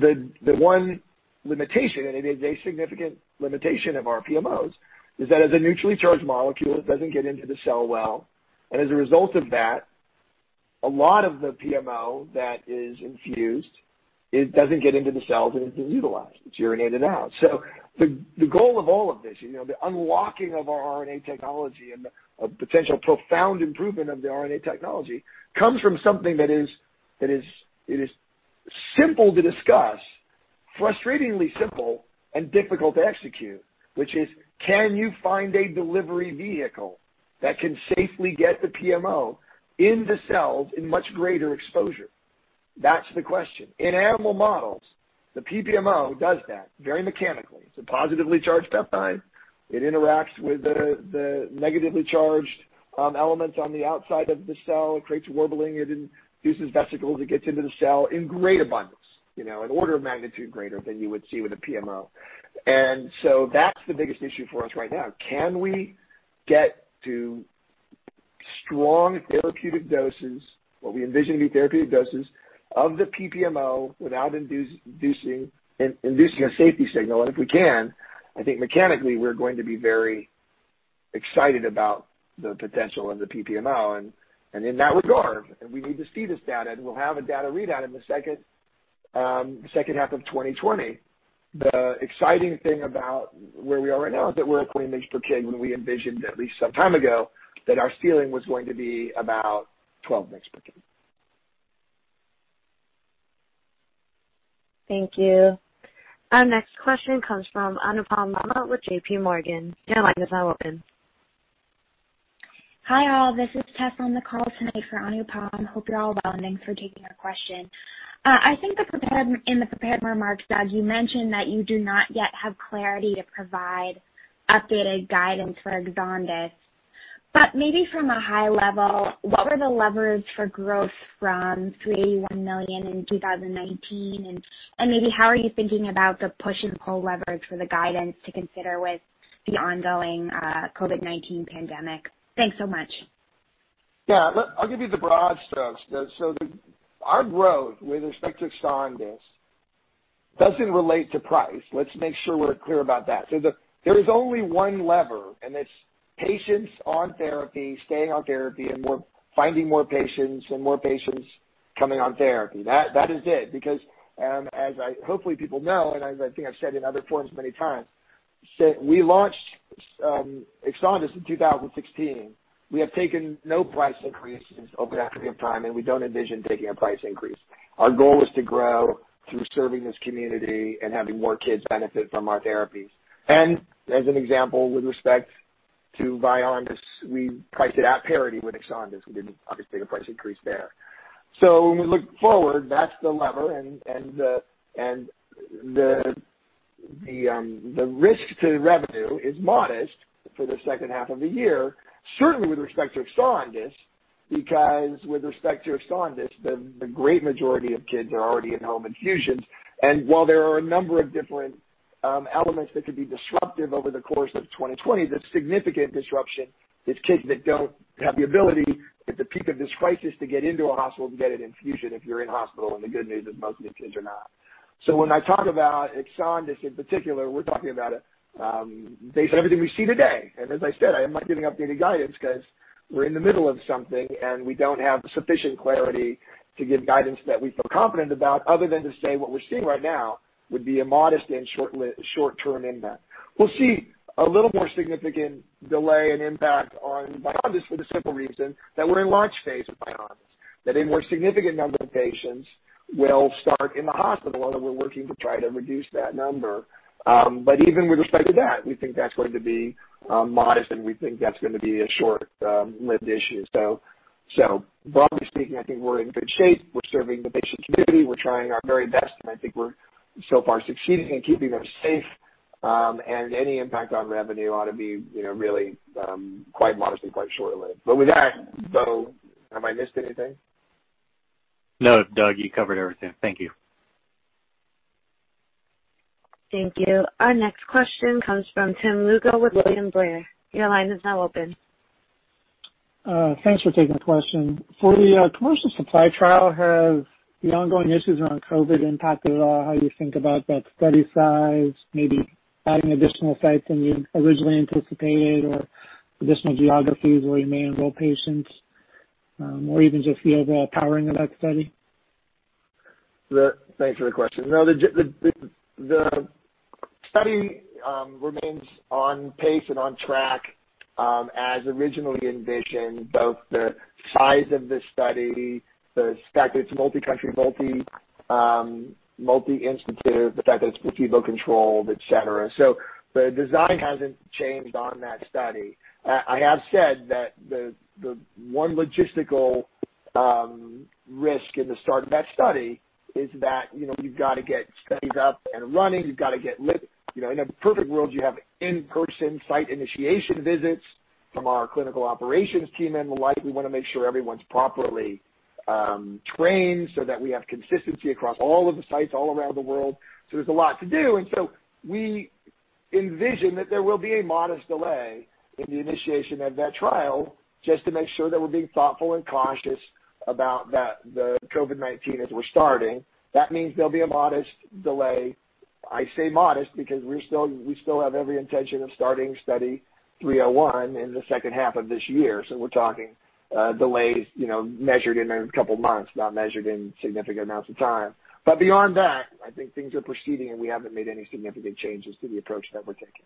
The one limitation, and it is a significant limitation of our PMOs, is that as a neutrally charged molecule, it doesn't get into the cell well, and as a result of that, a lot of the PMO that is infused, it doesn't get into the cells and it's been utilized. It's urinated out. The goal of all of this, the unlocking of our RNA technology and the potential profound improvement of the RNA technology, comes from something that is simple to discuss, frustratingly simple, and difficult to execute, which is can you find a delivery vehicle that can safely get the PMO in the cells in much greater exposure? That's the question. In animal models, the PPMO does that very mechanically. It's a positively charged peptide. It interacts with the negatively charged elements on the outside of the cell. It creates wobbling. It induces vesicles. It gets into the cell in great abundance, an order of magnitude greater than you would see with a PMO. That's the biggest issue for us right now. Can we get to strong therapeutic doses, what we envision to be therapeutic doses, of the PPMO without inducing a safety signal? If we can, I think mechanically, we're going to be very excited about the potential of the PPMO, and in that regard, and we need to see this data, and we'll have a data readout in the second half of 2020. The exciting thing about where we are right now is that we're at 20 next per kid, when we envisioned at least some time ago that our ceiling was going to be about 12 next per kid. Thank you. Our next question comes from Anupam Rama with JPMorgan. Your line is now open. Hi, all. This is Tess on the call tonight for Anupam Rama. Hope you're all well, and thanks for taking our question. I think in the prepared remarks, Doug, you mentioned that you do not yet have clarity to provide updated guidance for EXONDYS 51. Maybe from a high level, what were the levers for growth from $381 million in 2019? Maybe how are you thinking about the push and pull leverage for the guidance to consider with the ongoing COVID-19 pandemic? Thanks so much. Yeah. I'll give you the broad strokes. Our growth with respect to EXONDYS doesn't relate to price. Let's make sure we're clear about that. There is only one lever, and it's patients on therapy, staying on therapy, and more finding more patients and more patients coming on therapy. That is it. As hopefully people know, and I think I've said in other forums many times, since we launched EXONDYS in 2016, we have taken no price increases over that period of time, and we don't envision taking a price increase. Our goal is to grow through serving this community and having more kids benefit from our therapies. As an example, with respect to VYONDYS, we priced it at parity with EXONDYS. We didn't take a price increase there. When we look forward, that's the lever and the risk to the revenue is modest for the second half of the year, certainly with respect to EXONDYS, because with respect to EXONDYS, the great majority of kids are already in home infusions. While there are a number of different elements that could be disruptive over the course of 2020, the significant disruption is kids that don't have the ability at the peak of this crisis to get into a hospital to get an infusion if you're in hospital, and the good news is most of these kids are not. When I talk about EXONDYS in particular, we're talking about it based on everything we see today. As I said, I am not giving updated guidance because we're in the middle of something, and we don't have sufficient clarity to give guidance that we feel confident about other than to say what we're seeing right now would be a modest and short-term impact. We'll see a little more significant delay and impact on VYONDYS 53 for the simple reason that we're in launch phase with VYONDYS 53, that a more significant number of patients will start in the hospital, and we're working to try to reduce that number. Even with respect to that, we think that's going to be modest, and we think that's going to be a short-lived issue. Broadly speaking, I think we're in good shape. We're serving the patient community. We're trying our very best, and I think we're so far succeeding in keeping them safe. Any impact on revenue ought to be really quite modest and quite short-lived. With that, though, have I missed anything? No, Doug, you covered everything. Thank you. Thank you. Our next question comes from Tim Lugo with William Blair. Your line is now open. Thanks for taking the question. For the commercial supply trial, have the ongoing issues around COVID impacted at all how you think about that study size, maybe adding additional sites than you originally anticipated or additional geographies where you may enroll patients, or even just the overall powering of that study? Thanks for the question. No, the study remains on pace and on track as originally envisioned, both the size of the study, the fact it's multi-country, multi-institute, the fact that it's placebo-controlled, et cetera. The design hasn't changed on that study. I have said that the one logistical risk in the start of that study is that you've got to get studies up and running. In a perfect world, you have in-person site initiation visits from our clinical operations team and the like. We want to make sure everyone's properly trained so that we have consistency across all of the sites all around the world. There's a lot to do, we envision that there will be a modest delay in the initiation of that trial just to make sure that we're being thoughtful and cautious about the COVID-19 as we're starting. That means there'll be a modest delay. I say modest because we still have every intention of starting Study 301 in the second half of this year. We're talking delays measured in a couple of months, not measured in significant amounts of time. Beyond that, I think things are proceeding, and we haven't made any significant changes to the approach that we're taking.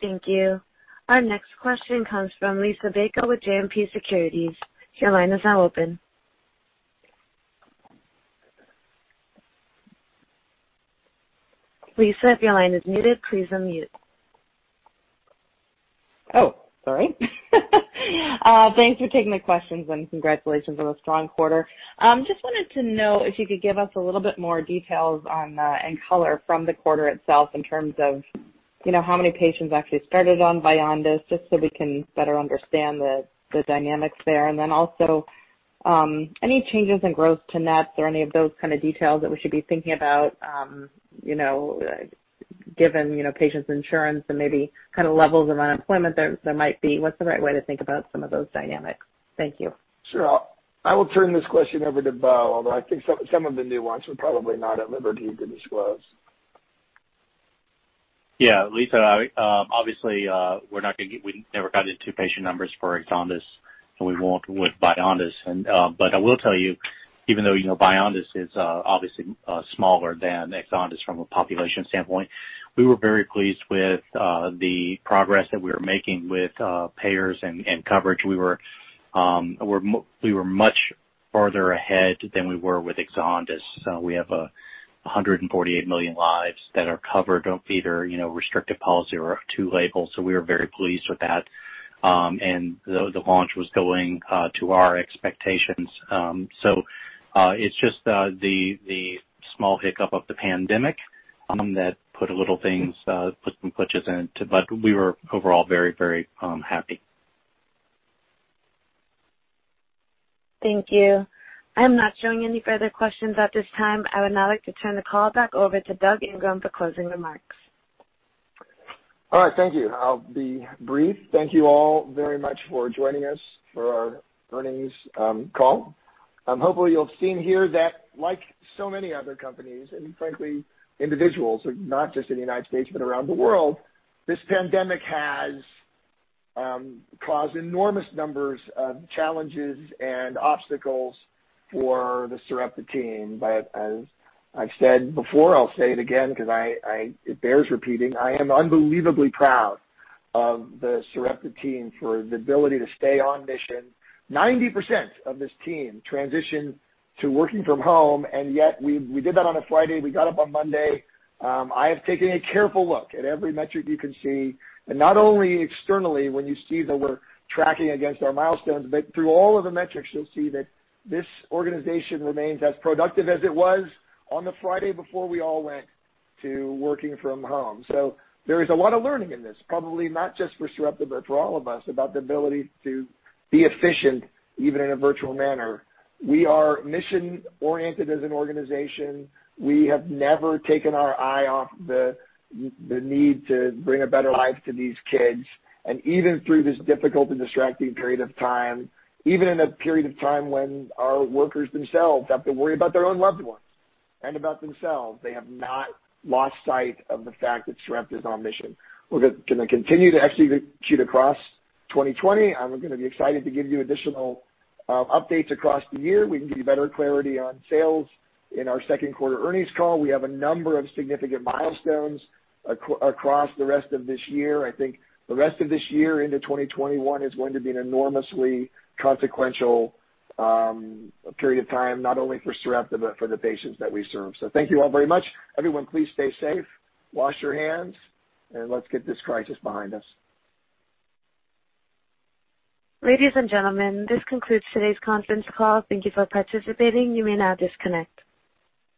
Thank you. Our next question comes from Liisa Bayko with JMP Securities. Your line is now open. Liisa, if your line is muted, please unmute. Sorry. Thanks for taking the questions and congratulations on a strong quarter. Wanted to know if you could give us a little bit more details on, and color from the quarter itself in terms of how many patients actually started on VYONDYS 53, just so we can better understand the dynamics there. Also, any changes in growth to nets or any of those kind of details that we should be thinking about given patients' insurance and maybe levels of unemployment there might be. What's the right way to think about some of those dynamics? Thank you. Sure. I will turn this question over to Bo, although I think some of the nuance we're probably not at liberty to disclose. Yeah. Liisa, obviously, we never got into patient numbers for EXONDYS 51, and we won't with VYONDYS 53. I will tell you, even though VYONDYS 53 is obviously smaller than EXONDYS 51 from a population standpoint, we were very pleased with the progress that we were making with payers and coverage. We were much farther ahead than we were with EXONDYS 51. We have 148 million lives that are covered on either restrictive policy or two labels. We are very pleased with that. The launch was going to our expectations. It's just the small hiccup of the pandemic that put some glitches in it. We were overall very happy. Thank you. I'm not showing any further questions at this time. I would now like to turn the call back over to Doug Ingram for closing remarks. All right. Thank you. I'll be brief. Thank you all very much for joining us for our earnings call. Hopefully, you'll have seen here that like so many other companies, and frankly, individuals, not just in the U.S., but around the world, this pandemic has caused enormous numbers of challenges and obstacles for the Sarepta team. As I've said before, I'll say it again because it bears repeating, I am unbelievably proud of the Sarepta team for the ability to stay on mission. 90% of this team transitioned to working from home, and yet we did that on a Friday. We got up on Monday. I have taken a careful look at every metric you can see, and not only externally when you see that we're tracking against our milestones, but through all of the metrics, you'll see that this organization remains as productive as it was on the Friday before we all went to working from home. There is a lot of learning in this, probably not just for Sarepta, but for all of us, about the ability to be efficient, even in a virtual manner. We are mission-oriented as an organization. We have never taken our eye off the need to bring a better life to these kids. Even through this difficult and distracting period of time, even in a period of time when our workers themselves have to worry about their own loved ones and about themselves, they have not lost sight of the fact that Sarepta is on mission. We're going to continue to execute across 2020, and we're going to be excited to give you additional updates across the year. We can give you better clarity on sales in our second-q, uarter earnings call. We have a number of significant milestones across the rest of this year. I think the rest of this year into 2021 is going to be an enormously consequential period of time, not only for Sarepta, but for the patients that we serve. Thank you all very much. Everyone, please stay safe, wash your hands, and let's get this crisis behind us. Ladies and gentlemen, this concludes today's conference call. Thank you for participating. You may now disconnect.